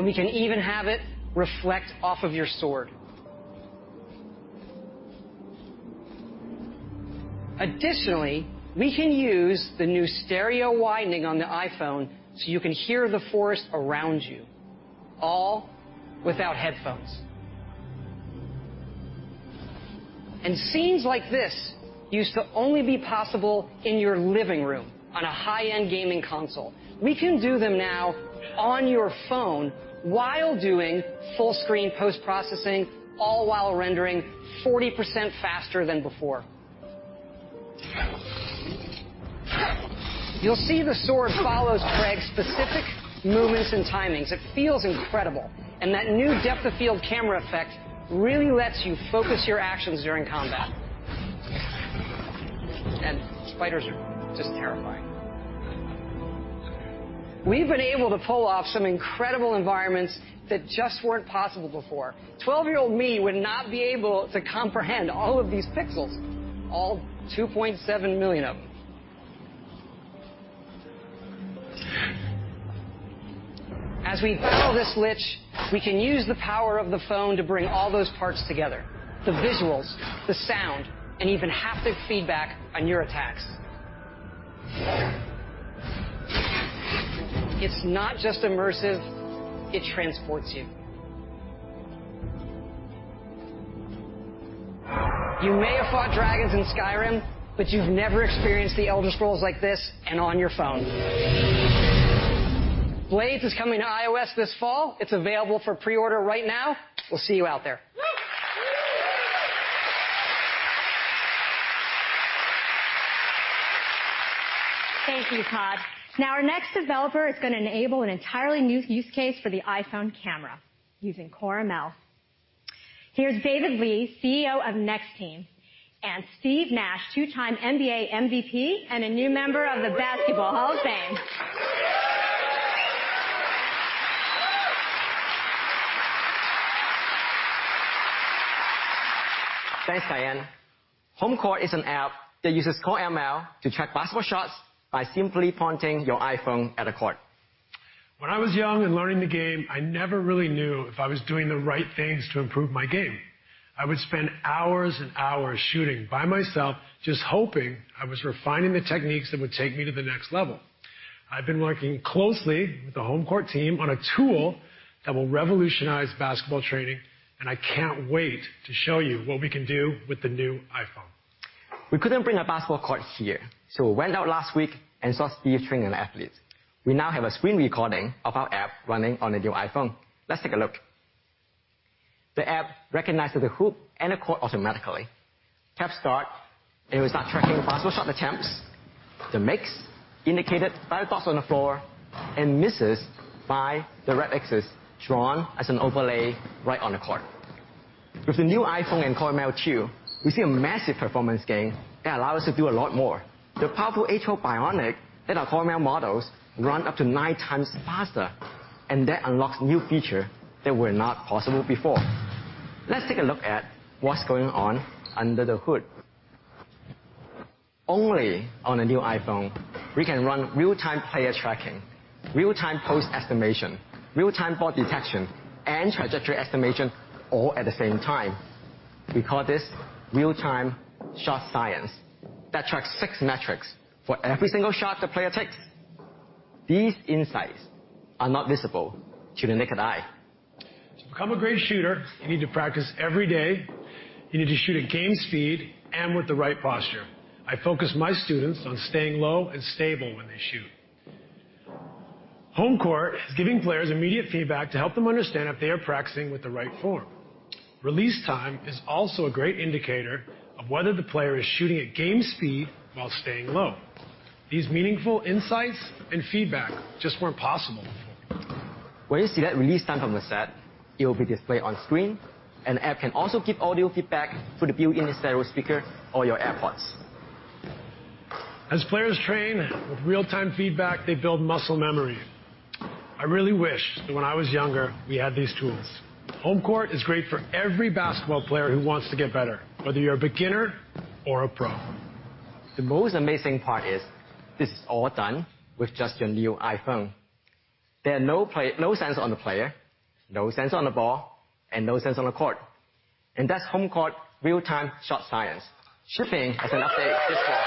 We can even have it reflect off of your sword. Additionally, we can use the new stereo widening on the iPhone so you can hear the forest around you, all without headphones. Scenes like this used to only be possible in your living room on a high-end gaming console. We can do them now on your phone while doing full-screen post-processing, all while rendering 40% faster than before. You'll see the sword follows Craig's specific movements and timings. It feels incredible, that new depth of field camera effect really lets you focus your actions during combat. Spiders are just terrifying. We've been able to pull off some incredible environments that just weren't possible before. 12-year-old me would not be able to comprehend all of these pixels, all 2.7 million of them. As we fell this lich, we can use the power of the phone to bring all those parts together, the visuals, the sound, and even haptic feedback on your attacks. It's not just immersive, it transports you. You may have fought dragons in Skyrim, but you've never experienced "The Elder Scrolls" like this and on your phone. "Blades" is coming to iOS this fall. It's available for pre-order right now. We'll see you out there. Thank you, Todd. Our next developer is going to enable an entirely new use case for the iPhone camera using Core ML. Here's David Li, CEO of NEX Team, and Steve Nash, two-time NBA MVP and a new member of the Basketball Hall of Fame. Thanks, Diane. HomeCourt is an app that uses Core ML to track basketball shots by simply pointing your iPhone at a court. When I was young and learning the game, I never really knew if I was doing the right things to improve my game. I would spend hours and hours shooting by myself, just hoping I was refining the techniques that would take me to the next level. I've been working closely with the HomeCourt team on a tool that will revolutionize basketball training, I can't wait to show you what we can do with the new iPhone. We couldn't bring a basketball court here. We went out last week and saw Steve training an athlete. We now have a screen recording of our app running on a new iPhone. Let's take a look. The app recognizes the hoop and the court automatically. Tap Start, and it will start tracking basketball shot attempts. The makes indicated by the dots on the floor and misses by the red Xs drawn as an overlay right on the court. With the new iPhone and Core ML 2, we see a massive performance gain that allow us to do a lot more. The powerful A12 Bionic that our Core ML models run up to nine times faster, and that unlocks new feature that were not possible before. Let's take a look at what's going on under the hood. Only on a new iPhone, we can run real-time player tracking, real-time pose estimation, real-time ball detection, and trajectory estimation all at the same time. We call this real-time shot science that tracks six metrics for every single shot the player takes. These insights are not visible to the naked eye. To become a great shooter, you need to practice every day. You need to shoot at game speed and with the right posture. I focus my students on staying low and stable when they shoot. HomeCourt is giving players immediate feedback to help them understand if they are practicing with the right form. Release time is also a great indicator of whether the player is shooting at game speed while staying low. These meaningful insights and feedback just weren't possible before. When you see that release time from the set, it will be displayed on screen, and the app can also give audio feedback through the built-in stereo speaker or your AirPods. As players train with real-time feedback, they build muscle memory. I really wish that when I was younger, we had these tools. HomeCourt is great for every basketball player who wants to get better, whether you're a beginner or a pro. The most amazing part is this is all done with just your new iPhone. There are no sensors on the player, no sensors on the ball, no sensors on the court, that's HomeCourt Real-Time Shot Science, shipping as an update this fall.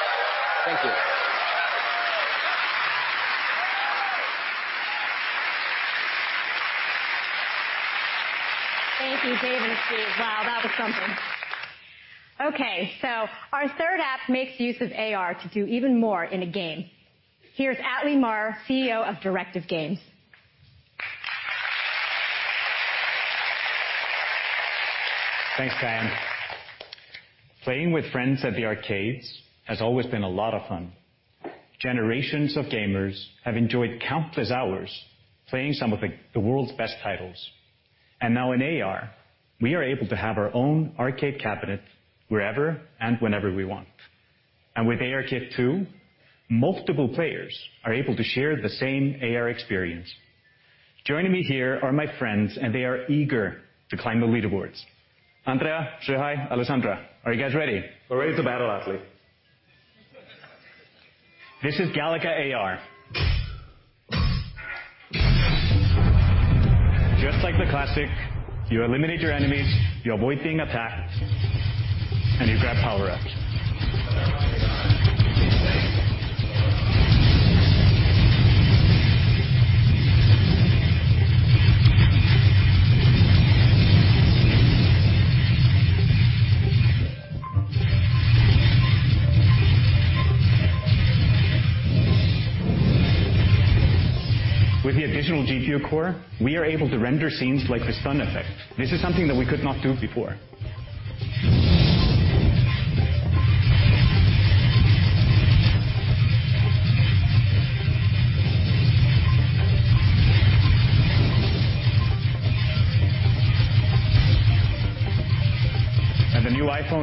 Thank you. Thank you, David and Steve. Wow, that was something. Our third app makes use of AR to do even more in a game. Here's Atli Mar, CEO of Directive Games. Thanks, Kaiann. Playing with friends at the arcades has always been a lot of fun. Generations of gamers have enjoyed countless hours playing some of the world's best titles. Now in AR, we are able to have our own arcade cabinet wherever and whenever we want. With ARKit 2, multiple players are able to share the same AR experience. Joining me here are my friends, they are eager to climb the leaderboards. Andrea, Shihai, Alessandra, are you guys ready? We're ready to battle, Atle. This is Galaga AR. Just like the classic, you eliminate your enemies, you avoid being attacked, you grab power-ups. With the additional GPU core, we are able to render scenes like this thunder effect. This is something that we could not do before.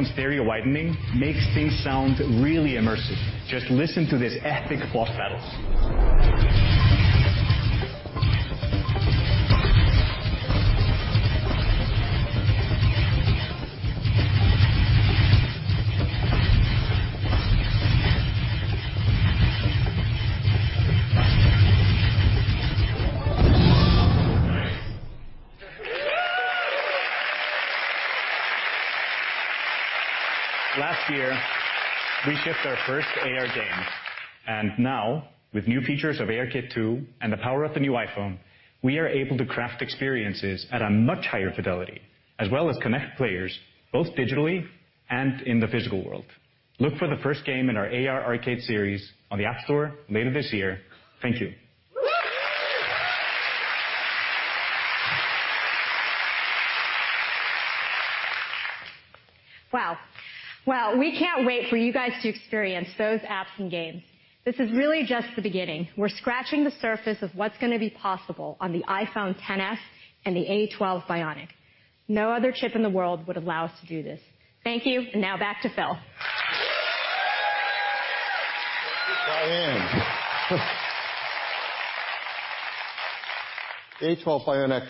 The new iPhone's stereo widening makes things sound really immersive. Just listen to these epic boss battles. We shipped our first AR game. Now with new features of ARKit 2 and the power of the new iPhone, we are able to craft experiences at a much higher fidelity, as well as connect players both digitally and in the physical world. Look for the first game in our Apple Arcade series on the App Store later this year. Thank you. Wow. We can't wait for you guys to experience those apps and games. This is really just the beginning. We're scratching the surface of what's going to be possible on the iPhone XS and the A12 Bionic. No other chip in the world would allow us to do this. Thank you. Now back to Phil. Thank you, Kaiann. The A12 Bionic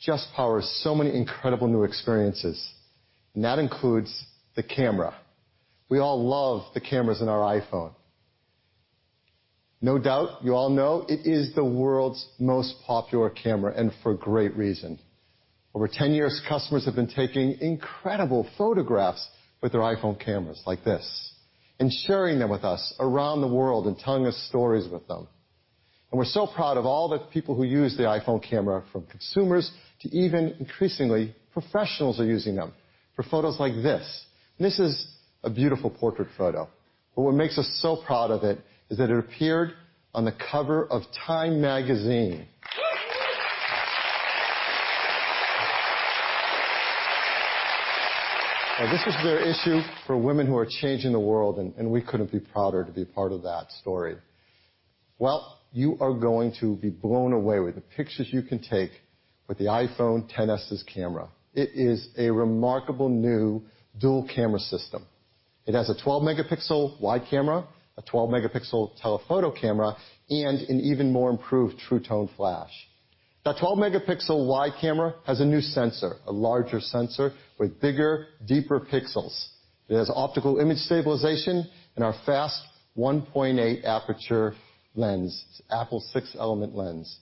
just powers so many incredible new experiences. That includes the camera. We all love the cameras in our iPhone. No doubt you all know it is the world's most popular camera, for great reason. Over 10 years, customers have been taking incredible photographs with their iPhone cameras like this, sharing them with us around the world, telling us stories with them. We're so proud of all the people who use the iPhone camera, from consumers to even, increasingly, professionals are using them for photos like this. This is a beautiful portrait photo. What makes us so proud of it is that it appeared on the cover of Time magazine. This was their issue for women who are changing the world, we couldn't be prouder to be a part of that story. You are going to be blown away with the pictures you can take with the iPhone XS's camera. It is a remarkable new dual-camera system. It has a 12-megapixel wide camera, a 12-megapixel telephoto camera, an even more improved True Tone flash. That 12-megapixel wide camera has a new sensor, a larger sensor with bigger, deeper pixels. It has optical image stabilization and our fast 1.8 aperture lens. It's Apple's six-element lens.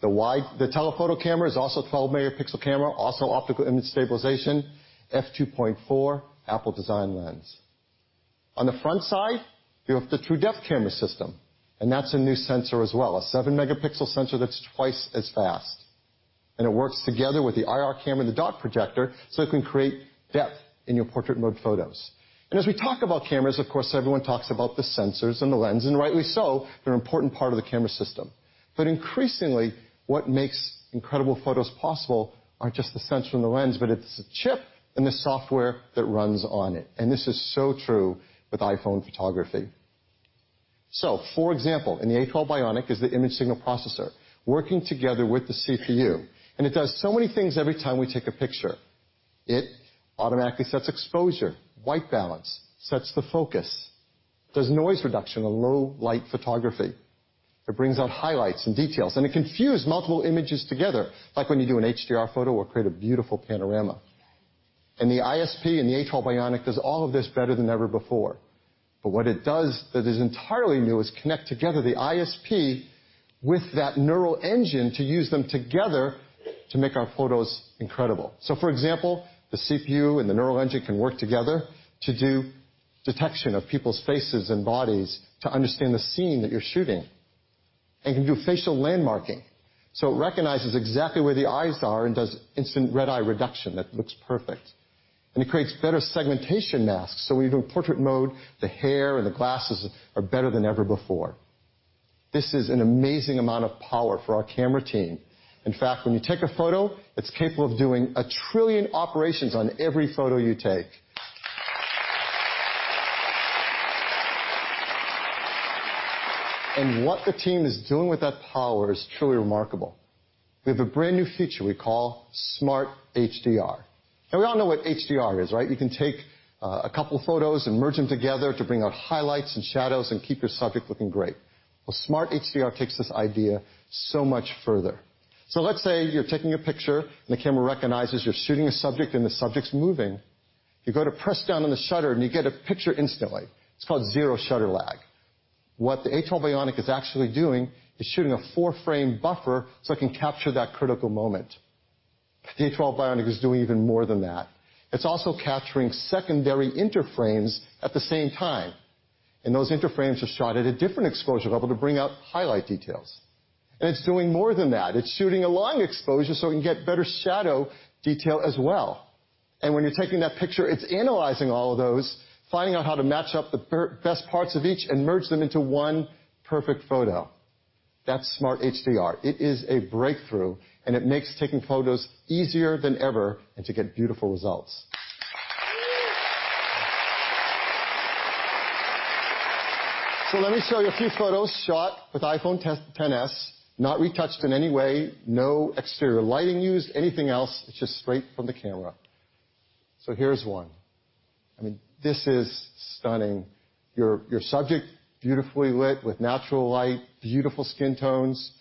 The telephoto camera is also a 12-megapixel camera, also optical image stabilization, f/2.4 Apple design lens. On the front side, you have the TrueDepth camera system. That's a new sensor as well, a seven-megapixel sensor that's twice as fast. It works together with the IR camera and the dot projector, so it can create depth in your portrait mode photos. As we talk about cameras, of course, everyone talks about the sensors and the lens, and rightly so. They're an important part of the camera system. Increasingly, what makes incredible photos possible aren't just the sensor and the lens, but it's the chip and the software that runs on it. This is so true with iPhone photography. For example, in the A12 Bionic is the image signal processor working together with the CPU, and it does so many things every time we take a picture. It automatically sets exposure, white balance, sets the focus, does noise reduction on low-light photography. It brings out highlights and details, and it can fuse multiple images together, like when you do an HDR photo or create a beautiful panorama. The ISP and the A12 Bionic does all of this better than ever before. What it does that is entirely new is connect together the ISP with that Neural Engine to use them together to make our photos incredible. For example, the CPU and the Neural Engine can work together to do detection of people's faces and bodies to understand the scene that you're shooting and can do facial landmarking, so it recognizes exactly where the eyes are and does instant red-eye reduction that looks perfect. It creates better segmentation masks, so when you do portrait mode, the hair and the glasses are better than ever before. This is an amazing amount of power for our camera team. In fact, when you take a photo, it's capable of doing a trillion operations on every photo you take. What the team is doing with that power is truly remarkable. We have a brand-new feature we call Smart HDR. We all know what HDR is, right? You can take a couple photos and merge them together to bring out highlights and shadows and keep your subject looking great. Smart HDR takes this idea so much further. Let's say you're taking a picture, and the camera recognizes you're shooting a subject and the subject's moving. You go to press down on the shutter, and you get a picture instantly. It's called zero shutter lag. What the A12 Bionic is actually doing is shooting a four-frame buffer, so it can capture that critical moment. The A12 Bionic is doing even more than that. It's also capturing secondary inter-frames at the same time, and those inter-frames are shot at a different exposure level to bring out highlight details. It's doing more than that. It's shooting a long exposure so it can get better shadow detail as well. When you're taking that picture, it's analyzing all of those, finding out how to match up the best parts of each and merge them into one perfect photo. That's Smart HDR. It is a breakthrough, and it makes taking photos easier than ever and to get beautiful results. Let me show you a few photos shot with iPhone XS, not retouched in any way, no exterior lighting used, anything else. It's just straight from the camera. Here's one. I mean, this is stunning. Your subject, beautifully lit with natural light, beautiful skin tones,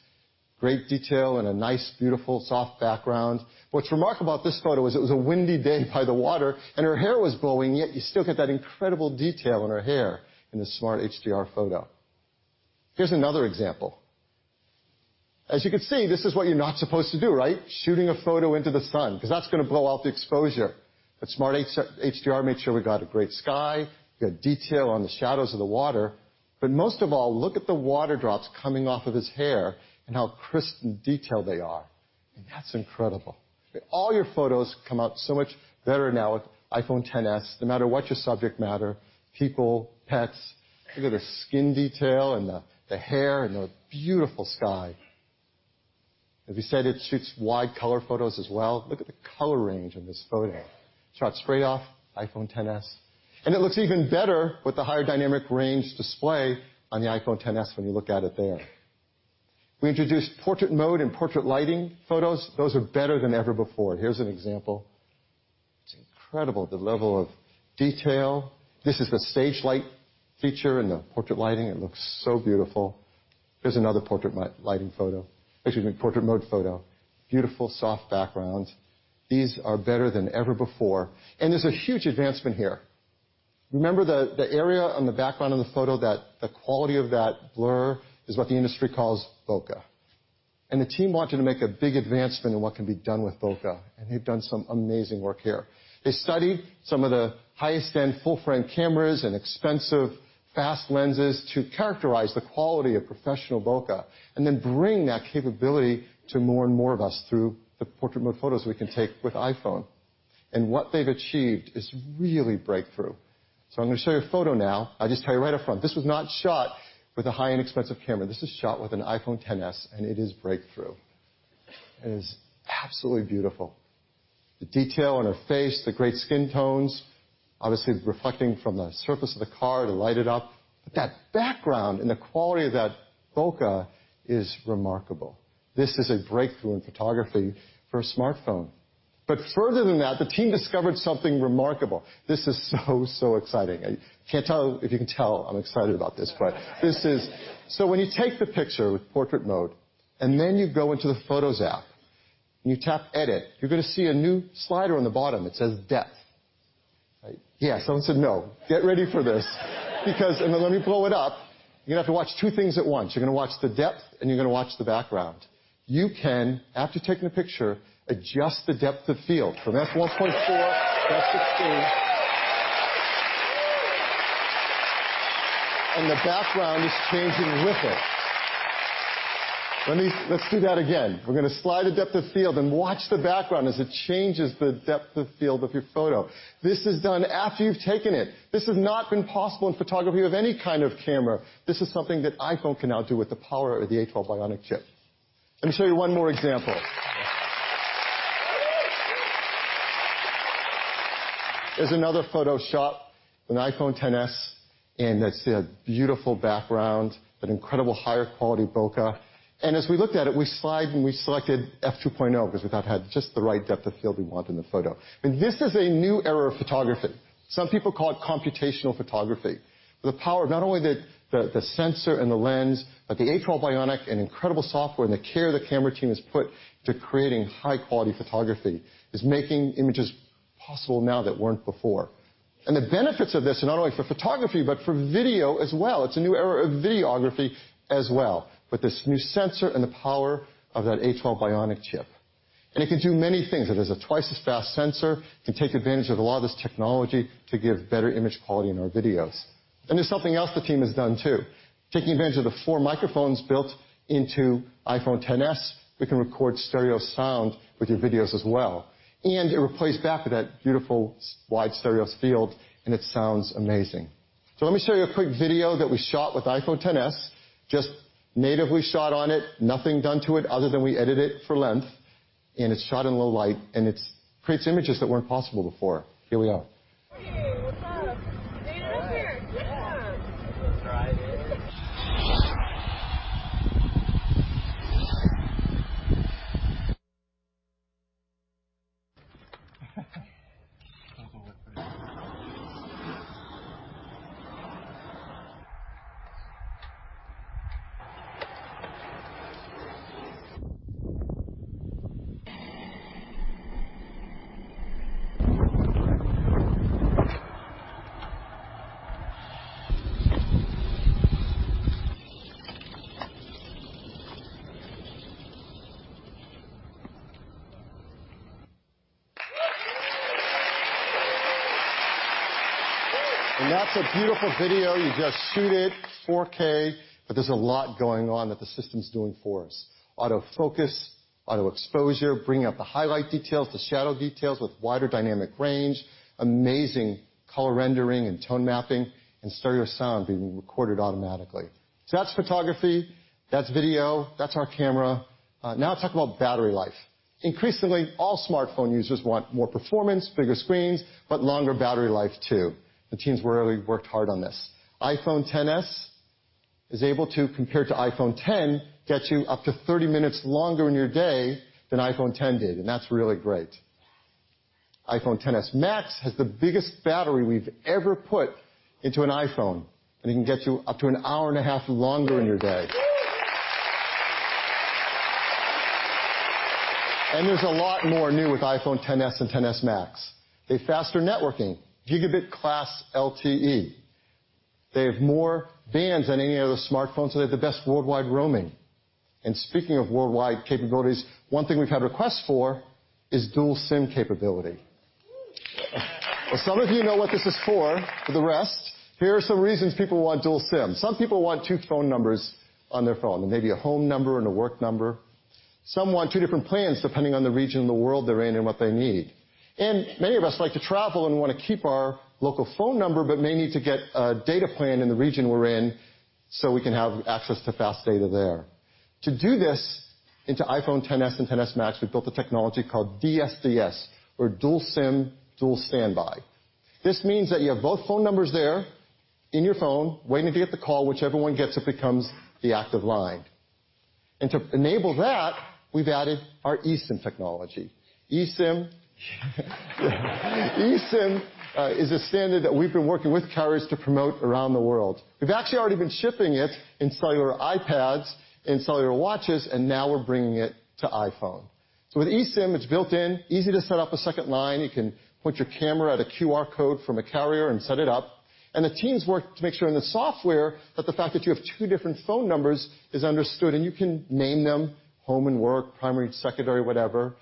great detail, and a nice, beautiful soft background. What's remarkable about this photo is it was a windy day by the water, and her hair was blowing. Yet you still get that incredible detail in her hair in the Smart HDR photo. Here's another example, as you can see, this is what you're not supposed to do, right? Shooting a photo into the sun, because that's going to blow out the exposure. Smart HDR made sure we got a great sky, good detail on the shadows of the water. Most of all, look at the water drops coming off of his hair and how crisp and detailed they are. I mean, that's incredible. All your photos come out so much better now with iPhone XS, no matter what your subject matter, people, pets. Look at the skin detail and the hair, and the beautiful sky. As we said, it shoots wide color photos as well. Look at the color range in this photo, shot straight off iPhone XS. It looks even better with the higher dynamic range display on the iPhone XS when you look at it there. We introduced portrait mode and portrait lighting photos. Those are better than ever before. Here's an example. It's incredible, the level of detail. This is the stage light feature and the portrait lighting. It looks so beautiful. Here's another portrait mode photo. Beautiful soft backgrounds. These are better than ever before. There's a huge advancement here. Remember the area on the background on the photo, the quality of that blur is what the industry calls bokeh. The team wanted to make a big advancement in what can be done with bokeh, and they've done some amazing work here. They studied some of the highest-end full-frame cameras and expensive fast lenses to characterize the quality of professional bokeh, and then bring that capability to more and more of us through the portrait mode photos we can take with iPhone. What they've achieved is really breakthrough. I'm going to show you a photo now. I'll just tell you right up front, this was not shot with a high-end expensive camera. This is shot with an iPhone XS, and it is breakthrough. It is absolutely beautiful. The detail on her face, the great skin tones, obviously reflecting from the surface of the car to light it up. That background and the quality of that bokeh is remarkable. This is a breakthrough in photography for a smartphone. Further than that, the team discovered something remarkable. This is so exciting. I can't tell if you can tell I'm excited about this. When you take the picture with portrait mode, and then you go into the Photos app, and you tap Edit, you're going to see a new slider on the bottom that says Depth. Yeah, someone said no. Get ready for this. Let me blow it up, you're going to have to watch two things at once. You're going to watch the depth, and you're going to watch the background. You can, after taking the picture, adjust the depth of field. That's 1.4 f/16. The background is changing with it. Let's do that again. We're going to slide the depth of field, and watch the background as it changes the depth of field of your photo. This is done after you've taken it. This has not been possible in photography of any kind of camera. This is something that iPhone can now do with the power of the A12 Bionic chip. Let me show you one more example. Here's another photo shot with an iPhone XS, and you see a beautiful background, an incredible higher quality bokeh. As we looked at it, we selected f/2.0 because we thought that had just the right depth of field we want in the photo. This is a new era of photography. Some people call it computational photography. The power of not only the sensor and the lens, but the A12 Bionic and incredible software and the care the camera team has put to creating high-quality photography is making images possible now that weren't before. The benefits of this are not only for photography but for video as well. It's a new era of videography as well. With this new sensor and the power of that A12 Bionic chip. It can do many things. It has a twice as fast sensor. It can take advantage of a lot of this technology to give better image quality in our videos. There's something else the team has done, too. Taking advantage of the four microphones built into iPhone XS, we can record stereo sound with your videos as well. It plays back with that beautiful wide stereo field, and it sounds amazing. Let me show you a quick video that we shot with iPhone XS, just natively shot on it, nothing done to it other than we edited it for length, and it's shot in low light, and it creates images that weren't possible before. Here we are. Hey, what's up? Hey, look here. Yeah. Let's ride it. That's a beautiful video. You just shoot it 4K, there's a lot going on that the system's doing for us. Auto focus, auto exposure, bringing out the highlight details, the shadow details with wider dynamic range, amazing color rendering and tone mapping, and stereo sound being recorded automatically. That's photography, that's video, that's our camera. Now let's talk about battery life. Increasingly, all smartphone users want more performance, bigger screens, but longer battery life too. The teams really worked hard on this. iPhone XS is able to, compared to iPhone X, get you up to 30 minutes longer in your day than iPhone X did, and that's really great. iPhone XS Max has the biggest battery we've ever put into an iPhone, and it can get you up to an hour and a half longer in your day. There's a lot more new with iPhone XS and iPhone XS Max. A faster networking, gigabit-class LTE. They have more bands than any other smartphone, they have the best worldwide roaming. Speaking of worldwide capabilities, one thing we've had requests for is dual SIM capability. Well, some of you know what this is for. For the rest, here are some reasons people want dual SIM. Some people want two phone numbers on their phone, maybe a home number and a work number. Some want two different plans depending on the region in the world they're in and what they need. Many of us like to travel and want to keep our local phone number, but may need to get a data plan in the region we're in so we can have access to fast data there. To do this, into iPhone XS and iPhone XS Max, we've built a technology called DSDS or dual SIM dual standby. This means that you have both phone numbers there in your phone waiting to get the call. Whichever one gets it becomes the active line. To enable that, we've added our eSIM technology. eSIM is a standard that we've been working with carriers to promote around the world. We've actually already been shipping it in cellular iPads and cellular watches, and now we're bringing it to iPhone. With eSIM, it's built in, easy to set up a second line. You can point your camera at a QR code from a carrier and set it up. The teams worked to make sure in the software that the fact that you have two different phone numbers is understood, and you can name them home and work, primary, secondary, whatever.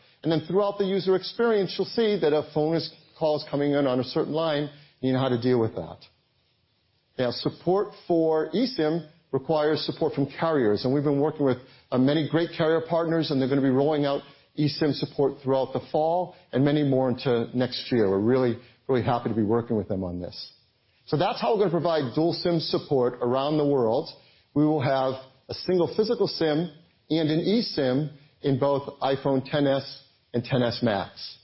Throughout the user experience, you'll see that a phone call is coming in on a certain line, you know how to deal with that. Support for eSIM requires support from carriers, we've been working with many great carrier partners, they're going to be rolling out eSIM support throughout the fall and many more into next year. We're really happy to be working with them on this. That's how we're going to provide dual SIM support around the world. We will have a single physical SIM and an eSIM in both iPhone XS and iPhone XS Max.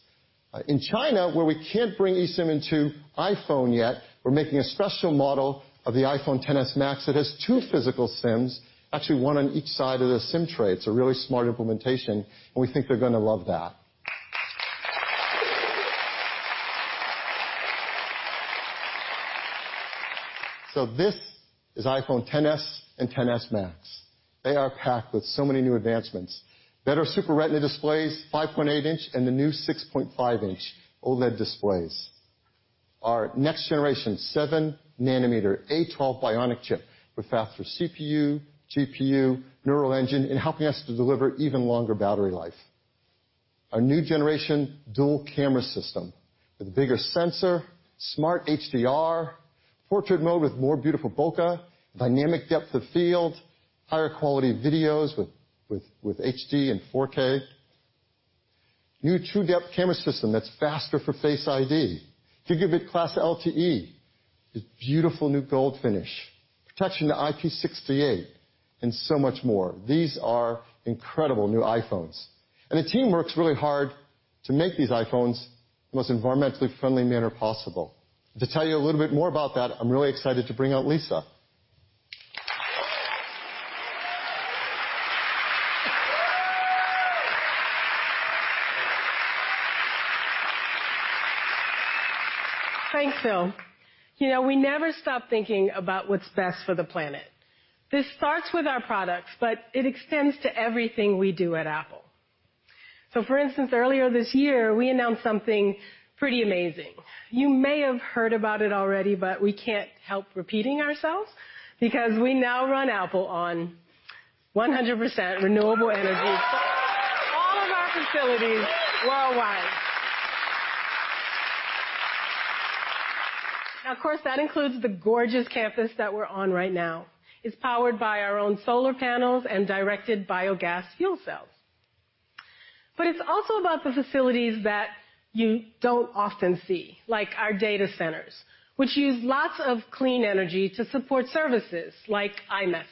In China, where we can't bring eSIM into iPhone yet, we're making a special model of the iPhone XS Max that has two physical SIMs. Actually, one on each side of the SIM tray. It's a really smart implementation, we think they're going to love that. This is iPhone XS and iPhone XS Max. They are packed with so many new advancements. Better Super Retina displays, 5.8 inch, and the new 6.5 inch OLED displays. Our next generation seven-nanometer A12 Bionic chip with faster CPU, GPU, Neural Engine, helping us to deliver even longer battery life. Our new generation dual-camera system with a bigger sensor, Smart HDR, portrait mode with more beautiful bokeh, dynamic depth of field, higher quality videos with HD and 4K. New TrueDepth camera system that's faster for Face ID. Gigabit-class LTE. This beautiful new gold finish. Protection to IP68, so much more. These are incredible new iPhones. The team works really hard to make these iPhones in the most environmentally friendly manner possible. To tell you a little bit more about that, I'm really excited to bring out Lisa. Thanks, Phil. We never stop thinking about what's best for the planet. This starts with our products, but it extends to everything we do at Apple. For instance, earlier this year, we announced something pretty amazing. You may have heard about it already, but we can't help repeating ourselves because we now run Apple on 100% renewable energy. All of our facilities worldwide. Of course, that includes the gorgeous campus that we're on right now. It's powered by our own solar panels and directed biogas fuel cells. It's also about the facilities that you don't often see, like our data centers, which use lots of clean energy to support services like iMessage.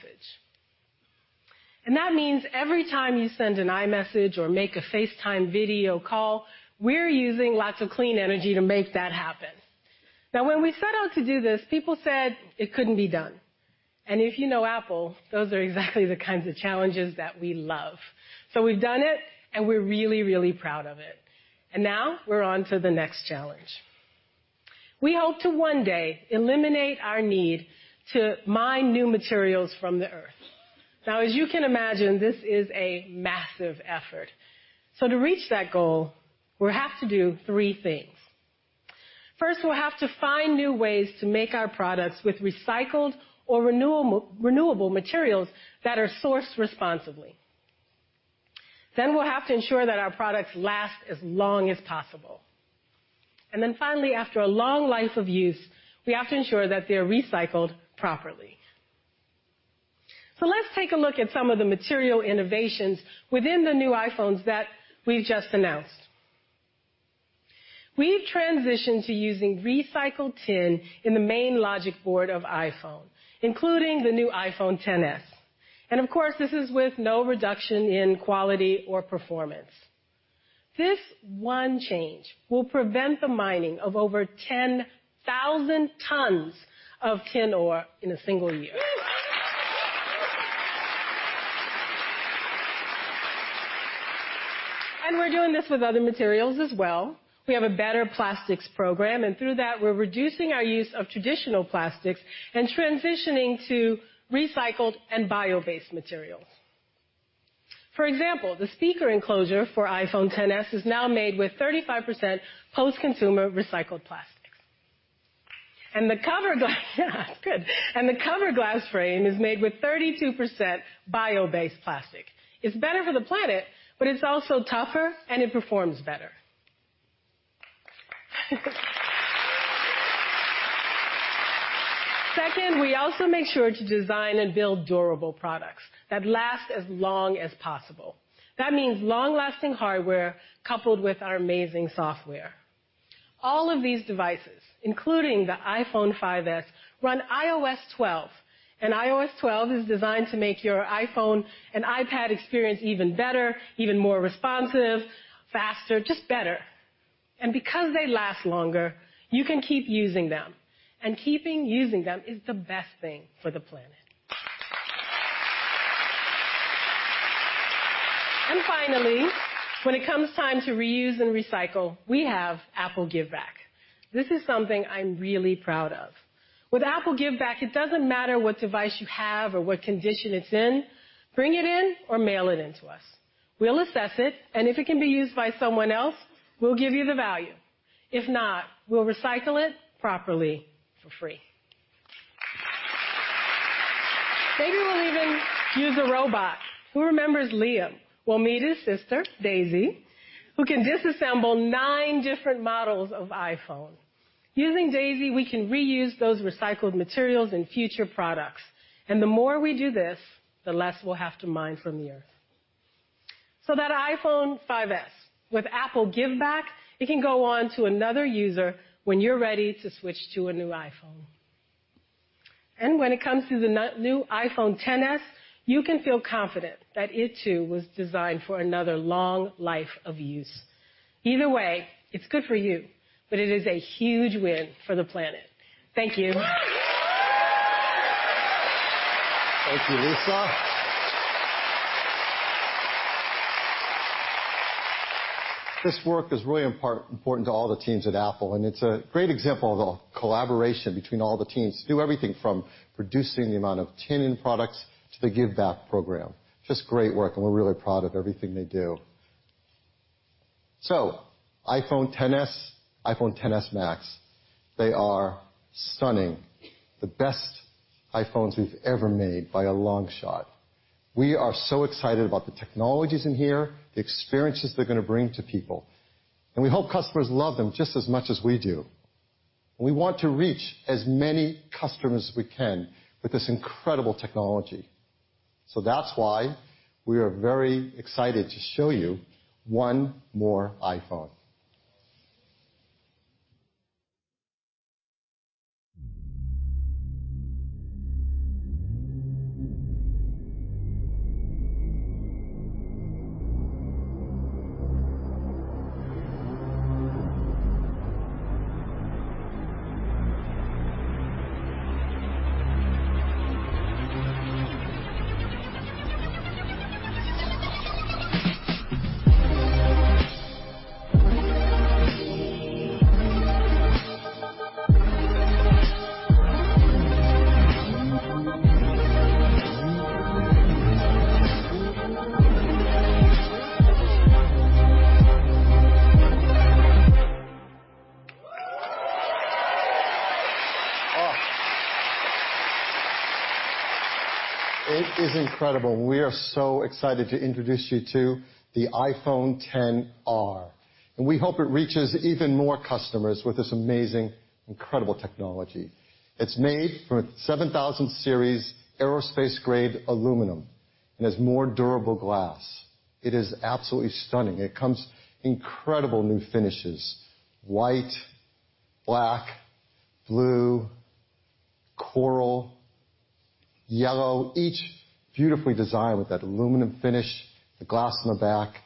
That means every time you send an iMessage or make a FaceTime video call, we're using lots of clean energy to make that happen. When we set out to do this, people said it couldn't be done. If you know Apple, those are exactly the kinds of challenges that we love. We've done it, and we're really, really proud of it. Now we're on to the next challenge. We hope to one day eliminate our need to mine new materials from the Earth. As you can imagine, this is a massive effort. To reach that goal, we'll have to do three things. First, we'll have to find new ways to make our products with recycled or renewable materials that are sourced responsibly. We'll have to ensure that our products last as long as possible. Finally, after a long life of use, we have to ensure that they're recycled properly. Let's take a look at some of the material innovations within the new iPhones that we've just announced. We've transitioned to using recycled tin in the main logic board of iPhone, including the new iPhone XS. Of course, this is with no reduction in quality or performance. This one change will prevent the mining of over 10,000 tons of tin ore in a single year. We're doing this with other materials as well. We have a better plastics program, and through that, we're reducing our use of traditional plastics and transitioning to recycled and bio-based materials. For example, the speaker enclosure for iPhone XS is now made with 35% post-consumer recycled plastic. Yeah, it's good. The cover glass frame is made with 32% bio-based plastic. It's better for the planet, but it's also tougher and it performs better. Second, we also make sure to design and build durable products that last as long as possible. That means long-lasting hardware coupled with our amazing software. All of these devices, including the iPhone 5s, run iOS 12. iOS 12 is designed to make your iPhone and iPad experience even better, even more responsive, faster, just better. Because they last longer, you can keep using them. Keeping using them is the best thing for the planet. Finally, when it comes time to reuse and recycle, we have Apple GiveBack. This is something I'm really proud of. With Apple GiveBack, it doesn't matter what device you have or what condition it's in, bring it in or mail it in to us. We'll assess it. If it can be used by someone else, we'll give you the value. If not, we'll recycle it properly for free. Maybe we'll even use a robot. Who remembers Liam? Well, meet his sister, Daisy, who can disassemble nine different models of iPhone. Using Daisy, we can reuse those recycled materials in future products. The more we do this, the less we'll have to mine from the Earth. That iPhone 5s, with Apple GiveBack, it can go on to another user when you're ready to switch to a new iPhone. When it comes to the new iPhone XS, you can feel confident that it too was designed for another long life of use. Either way, it's good for you. It is a huge win for the planet. Thank you. Thank you, Lisa. This work is really important to all the teams at Apple. It's a great example of the collaboration between all the teams to do everything from reducing the amount of tin in products to the GiveBack program. Just great work. We're really proud of everything they do. iPhone XS, iPhone XS Max, they are stunning. The best iPhones we've ever made by a long shot. We are so excited about the technologies in here, the experiences they're going to bring to people. We hope customers love them just as much as we do. We want to reach as many customers as we can with this incredible technology. That's why we are very excited to show you one more iPhone. Oh. It is incredible. We are so excited to introduce you to the iPhone XR. We hope it reaches even more customers with this amazing, incredible technology. It's made from a 7000 series aerospace-grade aluminum and has more durable glass. It is absolutely stunning. It comes incredible new finishes: white, black, blue, coral, yellow, each beautifully designed with that aluminum finish, the glass on the back.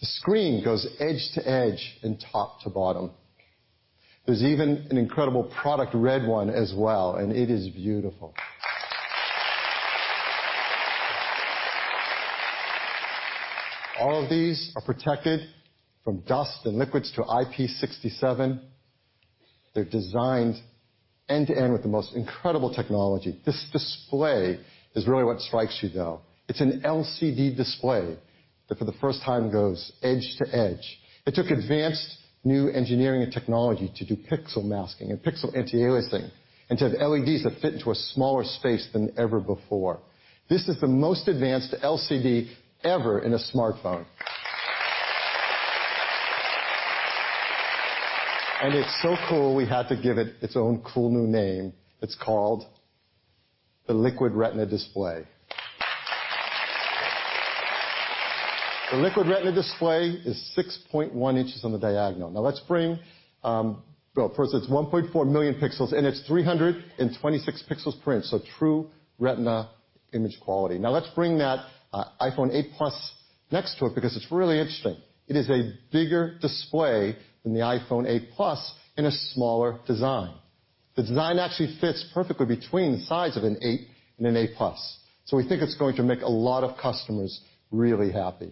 The screen goes edge to edge and top to bottom. There's even an incredible (PRODUCT)RED one as well. It is beautiful. All of these are protected from dust and liquids to IP67. They're designed end-to-end with the most incredible technology. This display is really what strikes you, though. It's an LCD display that for the first time goes edge to edge. It took advanced new engineering and technology to do pixel masking and pixel anti-aliasing, and to have LEDs that fit into a smaller space than ever before. This is the most advanced LCD ever in a smartphone. It's so cool, we had to give it its own cool new name. It's called the Liquid Retina display. The Liquid Retina display is 6.1 inches on the diagonal. First, it's 1.4 million pixels, and it's 326 pixels per inch, so true Retina image quality. Let's bring that iPhone 8 Plus next to it because it's really interesting. It is a bigger display than the iPhone 8 Plus in a smaller design. The design actually fits perfectly between the size of an 8 and an 8 Plus. We think it's going to make a lot of customers really happy.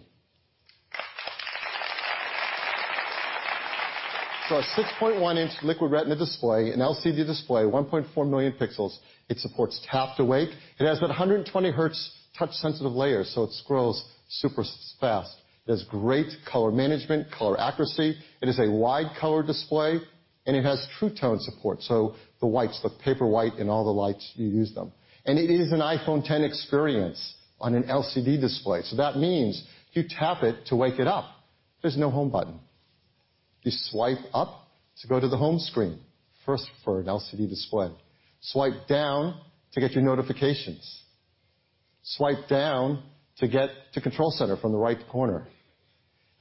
Our 6.1-inch Liquid Retina display, an LCD display, 1.4 million pixels. It supports tap to wake. It has 120 hertz touch-sensitive layers, so it scrolls super fast. It has great color management, color accuracy. It is a wide color display, and it has True Tone support, so the whites, the paper white and all the lights, you use them. It is an iPhone X experience on an LCD display. That means you tap it to wake it up. There's no home button. You swipe up to go to the home screen. First for an LCD display. Swipe down to get your notifications. Swipe down to get to Control Center from the right corner.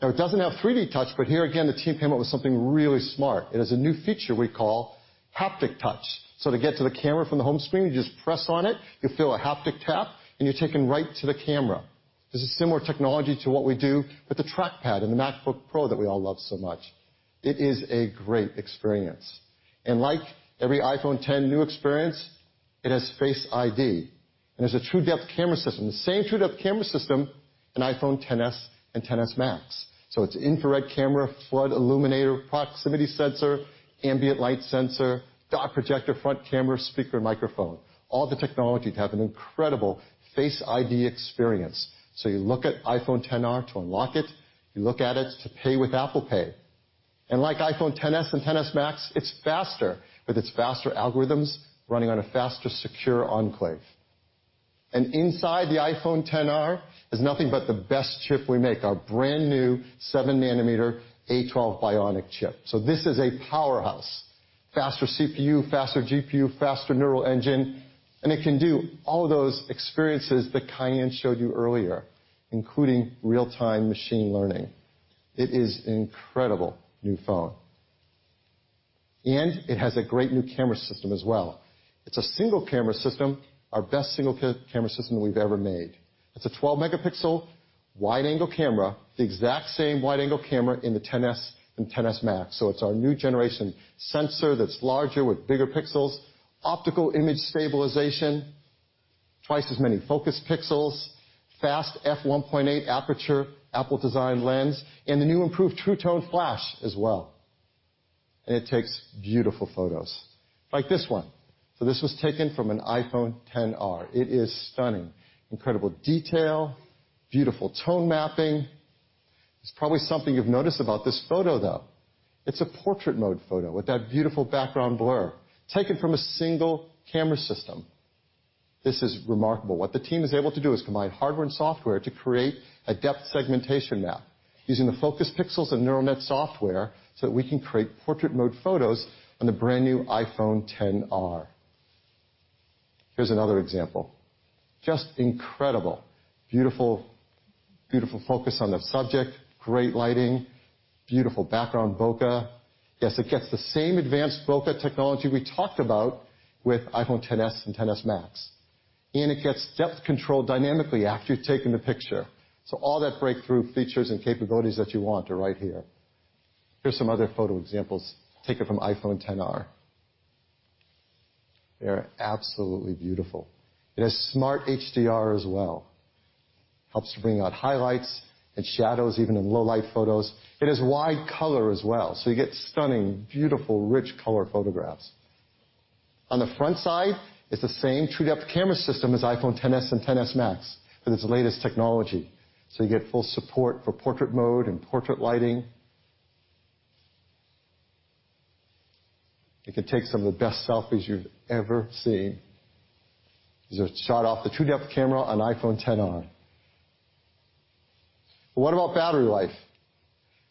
It doesn't have 3D Touch, but here again, the team came up with something really smart. It is a new feature we call Haptic Touch. To get to the camera from the home screen, you just press on it, you feel a haptic tap, and you're taken right to the camera. This is similar technology to what we do with the trackpad in the MacBook Pro that we all love so much. It is a great experience. Like every iPhone X new experience, it has Face ID, and it has a TrueDepth camera system, the same TrueDepth camera system in iPhone XS and iPhone XS Max. It's infrared camera, flood illuminator, proximity sensor, ambient light sensor, dot projector, front camera, speaker, microphone, all the technology to have an incredible Face ID experience. You look at iPhone XR to unlock it. You look at it to pay with Apple Pay. Like iPhone XS and iPhone XS Max, it's faster with its faster algorithms running on a faster, Secure Enclave. Inside the iPhone XR is nothing but the best chip we make, our brand-new seven-nanometer A12 Bionic chip. This is a powerhouse. Faster CPU, faster GPU, faster Neural Engine, and it can do all of those experiences that Kaiann Drance showed you earlier, including real-time machine learning. It is an incredible new phone. It has a great new camera system as well. It's a single-camera system, our best single-camera system we've ever made. It's a 12-megapixel wide-angle camera, the exact same wide-angle camera in the iPhone XS and iPhone XS Max. It's our new generation sensor that's larger with bigger pixels, optical image stabilization, twice as many focus pixels, fast f/1.8 aperture, Apple design lens, and the new improved True Tone flash as well. It takes beautiful photos. Like this one. This was taken from an iPhone XR. It is stunning. Incredible detail, beautiful tone mapping. There's probably something you've noticed about this photo, though. It's a Portrait Mode photo with that beautiful background blur taken from a single-camera system. This is remarkable. What the team is able to do is combine hardware and software to create a depth segmentation map using the focus pixels and neural net software so that we can create Portrait Mode photos on the brand-new iPhone XR. Here's another example. Just incredible. Beautiful focus on the subject, great lighting, beautiful background bokeh. Yes, it gets the same advanced bokeh technology we talked about with iPhone XS and iPhone XS Max. It gets depth control dynamically after you've taken the picture. All that breakthrough features and capabilities that you want are right here. Here's some other photo examples taken from iPhone XR. They are absolutely beautiful. It has Smart HDR as well. It helps to bring out highlights and shadows, even in low-light photos. It has wide color as well, so you get stunning, beautiful, rich color photographs. On the front side, it's the same TrueDepth camera system as iPhone XS and iPhone XS Max with its latest technology, so you get full support for Portrait Mode and portrait lighting. It can take some of the best selfies you've ever seen. These are shot off the TrueDepth camera on iPhone XR. What about battery life?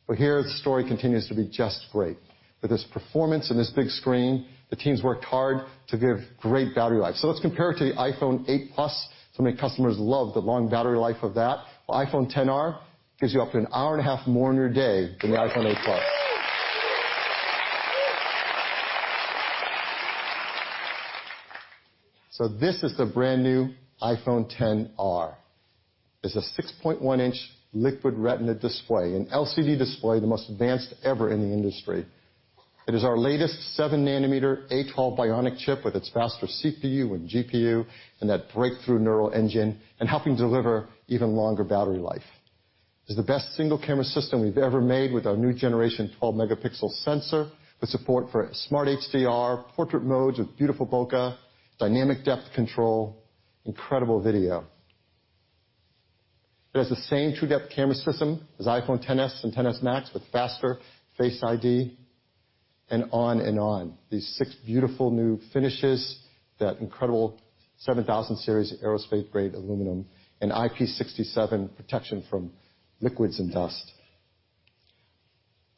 Well, here, the story continues to be just great. With this performance and this big screen, the teams worked hard to give great battery life. Let's compare it to the iPhone 8 Plus. Many customers love the long battery life of that. iPhone XR gives you up to an hour and a half more in your day than the iPhone 8 Plus. This is the brand-new iPhone XR. It's a 6.1-inch Liquid Retina display, an LCD display, the most advanced ever in the industry. It is our latest seven-nanometer A12 Bionic chip with its faster CPU and GPU and that breakthrough Neural Engine and helping deliver even longer battery life. It is the best single-camera system we've ever made with our new generation 12-megapixel sensor with support for Smart HDR, Portrait Modes with beautiful bokeh, dynamic depth control, incredible video. It has the same TrueDepth camera system as iPhone XS and iPhone XS Max with faster Face ID and on and on. These six beautiful new finishes, that incredible 7000 series aerospace-grade aluminum, and IP67 protection from liquids and dust.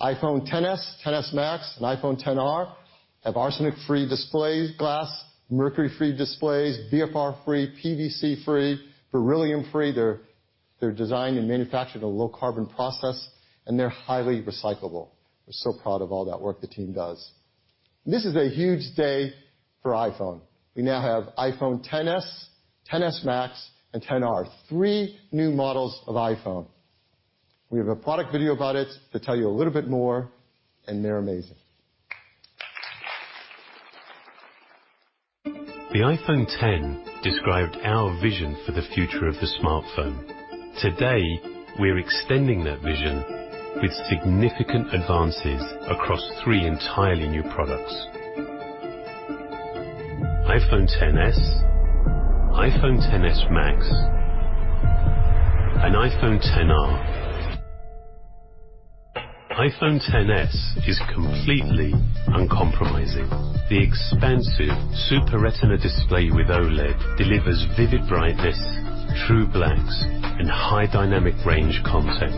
iPhone XS, iPhone XS Max, and iPhone XR have arsenic-free display glass, mercury-free displays, BFR-free, PVC-free, beryllium-free. They're designed and manufactured in a low-carbon process, and they're highly recyclable. We're so proud of all that work the team does. This is a huge day for iPhone. We now have iPhone XS, iPhone XS Max, and iPhone XR, three new models of iPhone. We have a product video about it to tell you a little bit more, and they're amazing. The iPhone X described our vision for the future of the smartphone. Today, we're extending that vision with significant advances across three entirely new products. iPhone XS, iPhone XS Max, and iPhone XR. iPhone XS is completely uncompromising. The expansive Super Retina display with OLED delivers vivid brightness, true blacks, and high dynamic range content.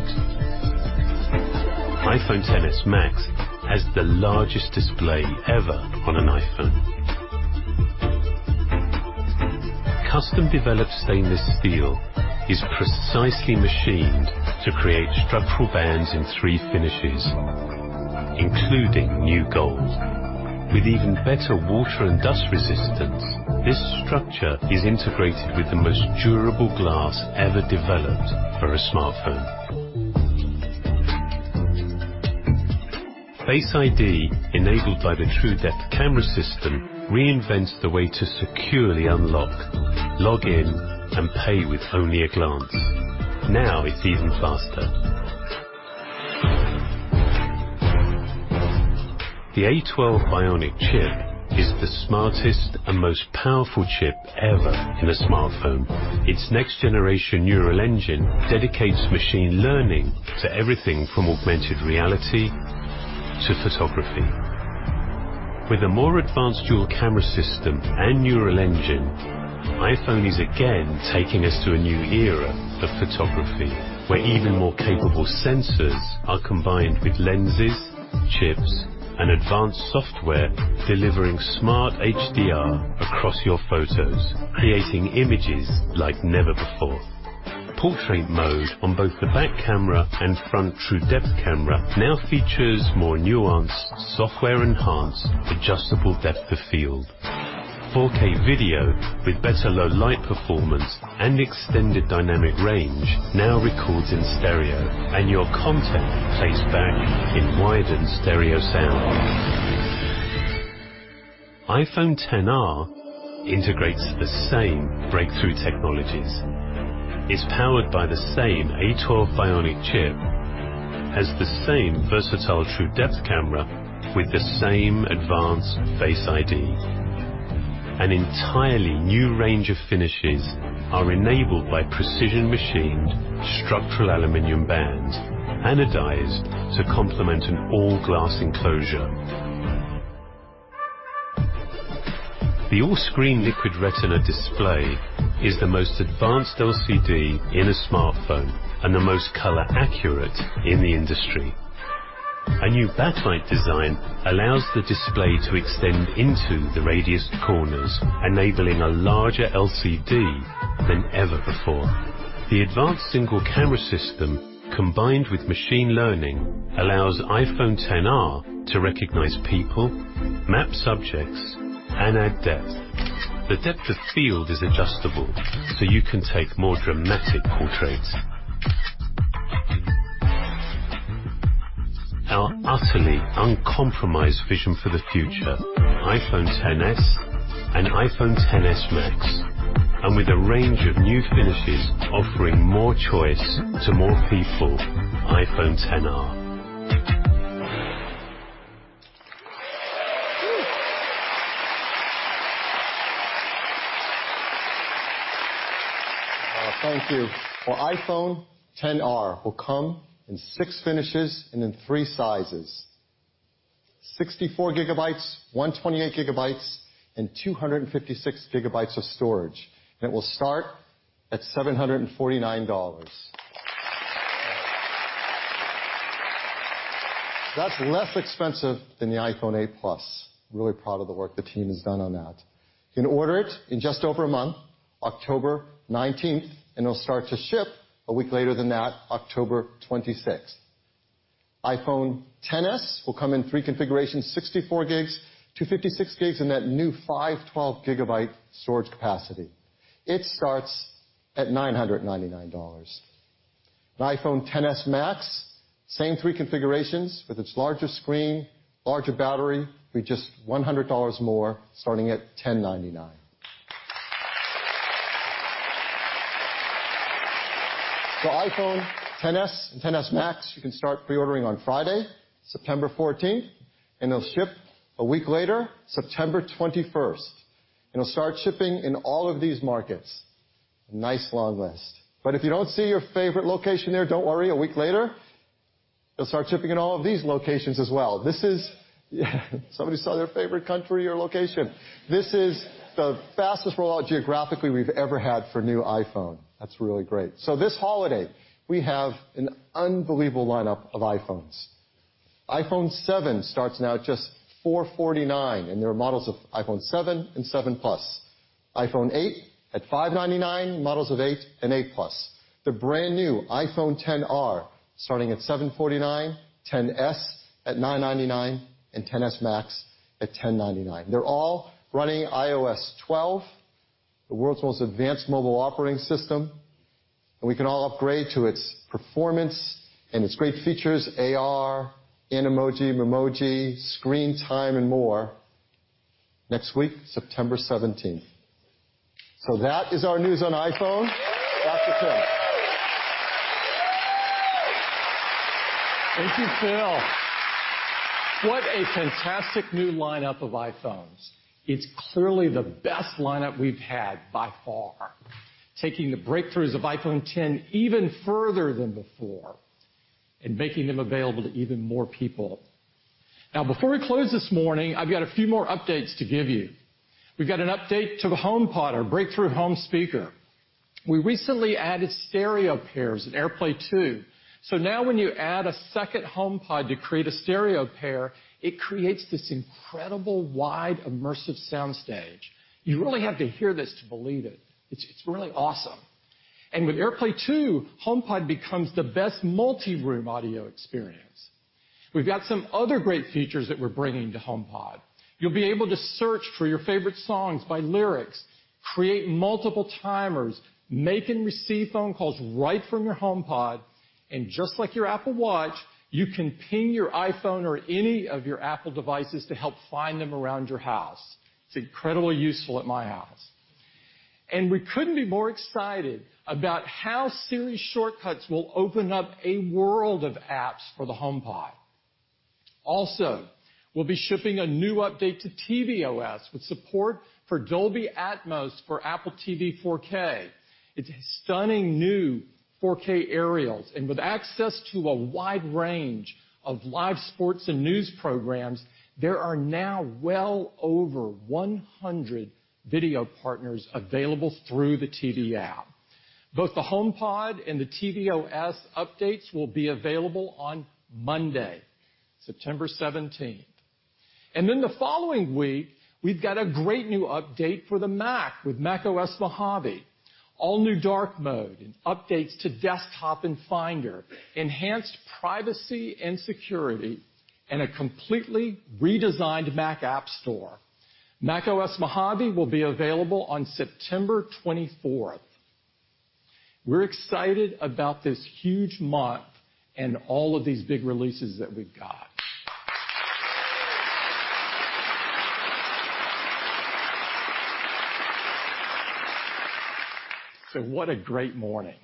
iPhone XS Max has the largest display ever on an iPhone. Custom-developed stainless steel is precisely machined to create structural bands in three finishes, including new gold. With even better water and dust resistance, this structure is integrated with the most durable glass ever developed for a smartphone. Face ID, enabled by the TrueDepth camera system, reinvents the way to securely unlock, log in, and pay with only a glance. Now it's even faster. The A12 Bionic chip is the smartest and most powerful chip ever in a smartphone. Its next-generation Neural Engine dedicates machine learning to everything from augmented reality to photography. With a more advanced dual-camera system and Neural Engine, iPhone is again taking us to a new era of photography, where even more capable sensors are combined with lenses, chips, and advanced software, delivering Smart HDR across your photos, creating images like never before. Portrait mode on both the back camera and front TrueDepth camera now features more nuanced, software-enhanced, adjustable depth of field. 4K video, with better low-light performance and extended dynamic range, now records in stereo, and your content plays back in widened stereo sound. iPhone XR integrates the same breakthrough technologies. It's powered by the same A12 Bionic chip, has the same versatile TrueDepth camera, with the same advanced Face ID. An entirely new range of finishes are enabled by precision-machined structural aluminum bands anodized to complement an all-glass enclosure. The all-screen Liquid Retina display is the most advanced LCD in a smartphone and the most color-accurate in the industry. A new backlight design allows the display to extend into the radiused corners, enabling a larger LCD than ever before. The advanced single-camera system, combined with machine learning, allows iPhone XR to recognize people, map subjects, and add depth. The depth of field is adjustable, so you can take more dramatic portraits. Our utterly uncompromised vision for the future, iPhone XS and iPhone XS Max. With a range of new finishes offering more choice to more people, iPhone XR. Thank you. Our iPhone XR will come in six finishes and in three sizes: 64 gigabytes, 128 gigabytes, and 256 gigabytes of storage. It will start at $749. That's less expensive than the iPhone 8 Plus. Really proud of the work the team has done on that. You can order it in just over a month, October 19th, and it'll start to ship a week later than that, October 26th. iPhone XS will come in three configurations, 64 gigs, 256 gigs, and that new 512 gigabyte storage capacity. It starts at $999. The iPhone XS Max, same three configurations. With its larger screen, larger battery, will be just $100 more, starting at $1,099. iPhone XS and XS Max, you can start pre-ordering on Friday, September 14th, and they'll ship a week later, September 21st. It'll start shipping in all of these markets. Nice long list. If you don't see your favorite location there, don't worry. A week later, it'll start shipping in all of these locations as well. Somebody saw their favorite country or location. This is the fastest rollout geographically we've ever had for a new iPhone. That's really great. This holiday, we have an unbelievable lineup of iPhones. iPhone 7 starts now at just $449, and there are models of iPhone 7 and iPhone 7 Plus. iPhone 8 at $599, models of iPhone 8 and iPhone 8 Plus. The brand-new iPhone XR starting at $749, iPhone XS at $999, and iPhone XS Max at $1,099. They're all running iOS 12. The world's most advanced mobile operating system, and we can all upgrade to its performance and its great features, AR, Animoji, Memoji, Screen Time, and more next week, September 17th. That is our news on iPhone. Back to Tim. Thank you, Phil. What a fantastic new lineup of iPhones. It's clearly the best lineup we've had by far, taking the breakthroughs of iPhone X even further than before and making them available to even more people. Before we close this morning, I've got a few more updates to give you. We've got an update to the HomePod, our breakthrough home speaker. We recently added stereo pairs in AirPlay 2. Now when you add a second HomePod to create a stereo pair, it creates this incredible wide immersive sound stage. You really have to hear this to believe it. It's really awesome. With AirPlay 2, HomePod becomes the best multi-room audio experience. We've got some other great features that we're bringing to HomePod. You'll be able to search for your favorite songs by lyrics, create multiple timers, make and receive phone calls right from your HomePod, and just like your Apple Watch, you can ping your iPhone or any of your Apple devices to help find them around your house. It's incredibly useful at my house. We couldn't be more excited about how Siri Shortcuts will open up a world of apps for the HomePod. Also, we'll be shipping a new update to tvOS with support for Dolby Atmos for Apple TV 4K. It's stunning new 4K aerials. With access to a wide range of live sports and news programs, there are now well over 100 video partners available through the TV app. Both the HomePod and the tvOS updates will be available on Monday, September 17th. The following week, we've got a great new update for the Mac with macOS Mojave. All new dark mode and updates to Desktop and Finder, enhanced privacy and security, and a completely redesigned Mac App Store. macOS Mojave will be available on September 24th. We're excited about this huge month and all of these big releases that we've got. What a great morning.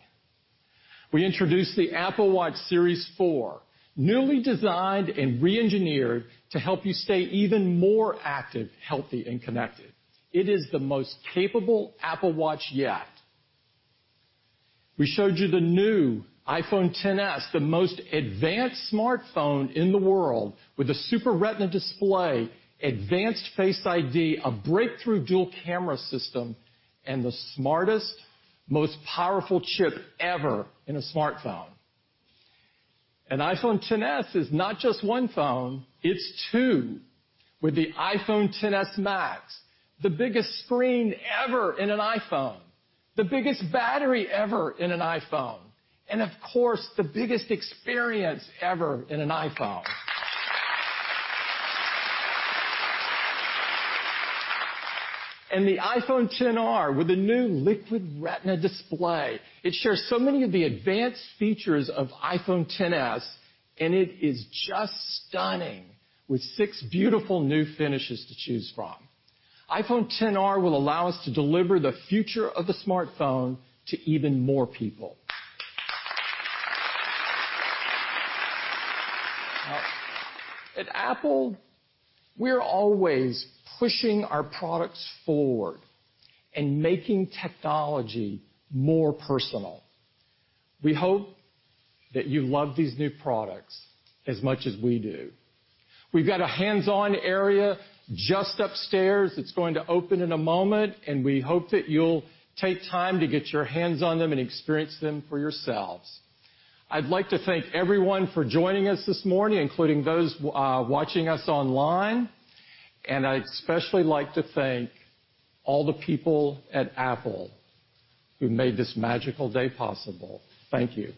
We introduced the Apple Watch Series 4, newly designed and re-engineered to help you stay even more active, healthy, and connected. It is the most capable Apple Watch yet. We showed you the new iPhone XS, the most advanced smartphone in the world with a Super Retina display, advanced Face ID, a breakthrough dual camera system, and the smartest, most powerful chip ever in a smartphone. iPhone XS is not just one phone, it's two with the iPhone XS Max, the biggest screen ever in an iPhone, the biggest battery ever in an iPhone, and of course, the biggest experience ever in an iPhone. The iPhone XR with the new Liquid Retina display. It shares so many of the advanced features of iPhone XS, and it is just stunning with six beautiful new finishes to choose from. iPhone XR will allow us to deliver the future of the smartphone to even more people. At Apple, we're always pushing our products forward and making technology more personal. We hope that you love these new products as much as we do. We've got a hands-on area just upstairs. It's going to open in a moment, and we hope that you'll take time to get your hands on them and experience them for yourselves. I'd like to thank everyone for joining us this morning, including those watching us online, and I'd especially like to thank all the people at Apple who made this magical day possible. Thank you.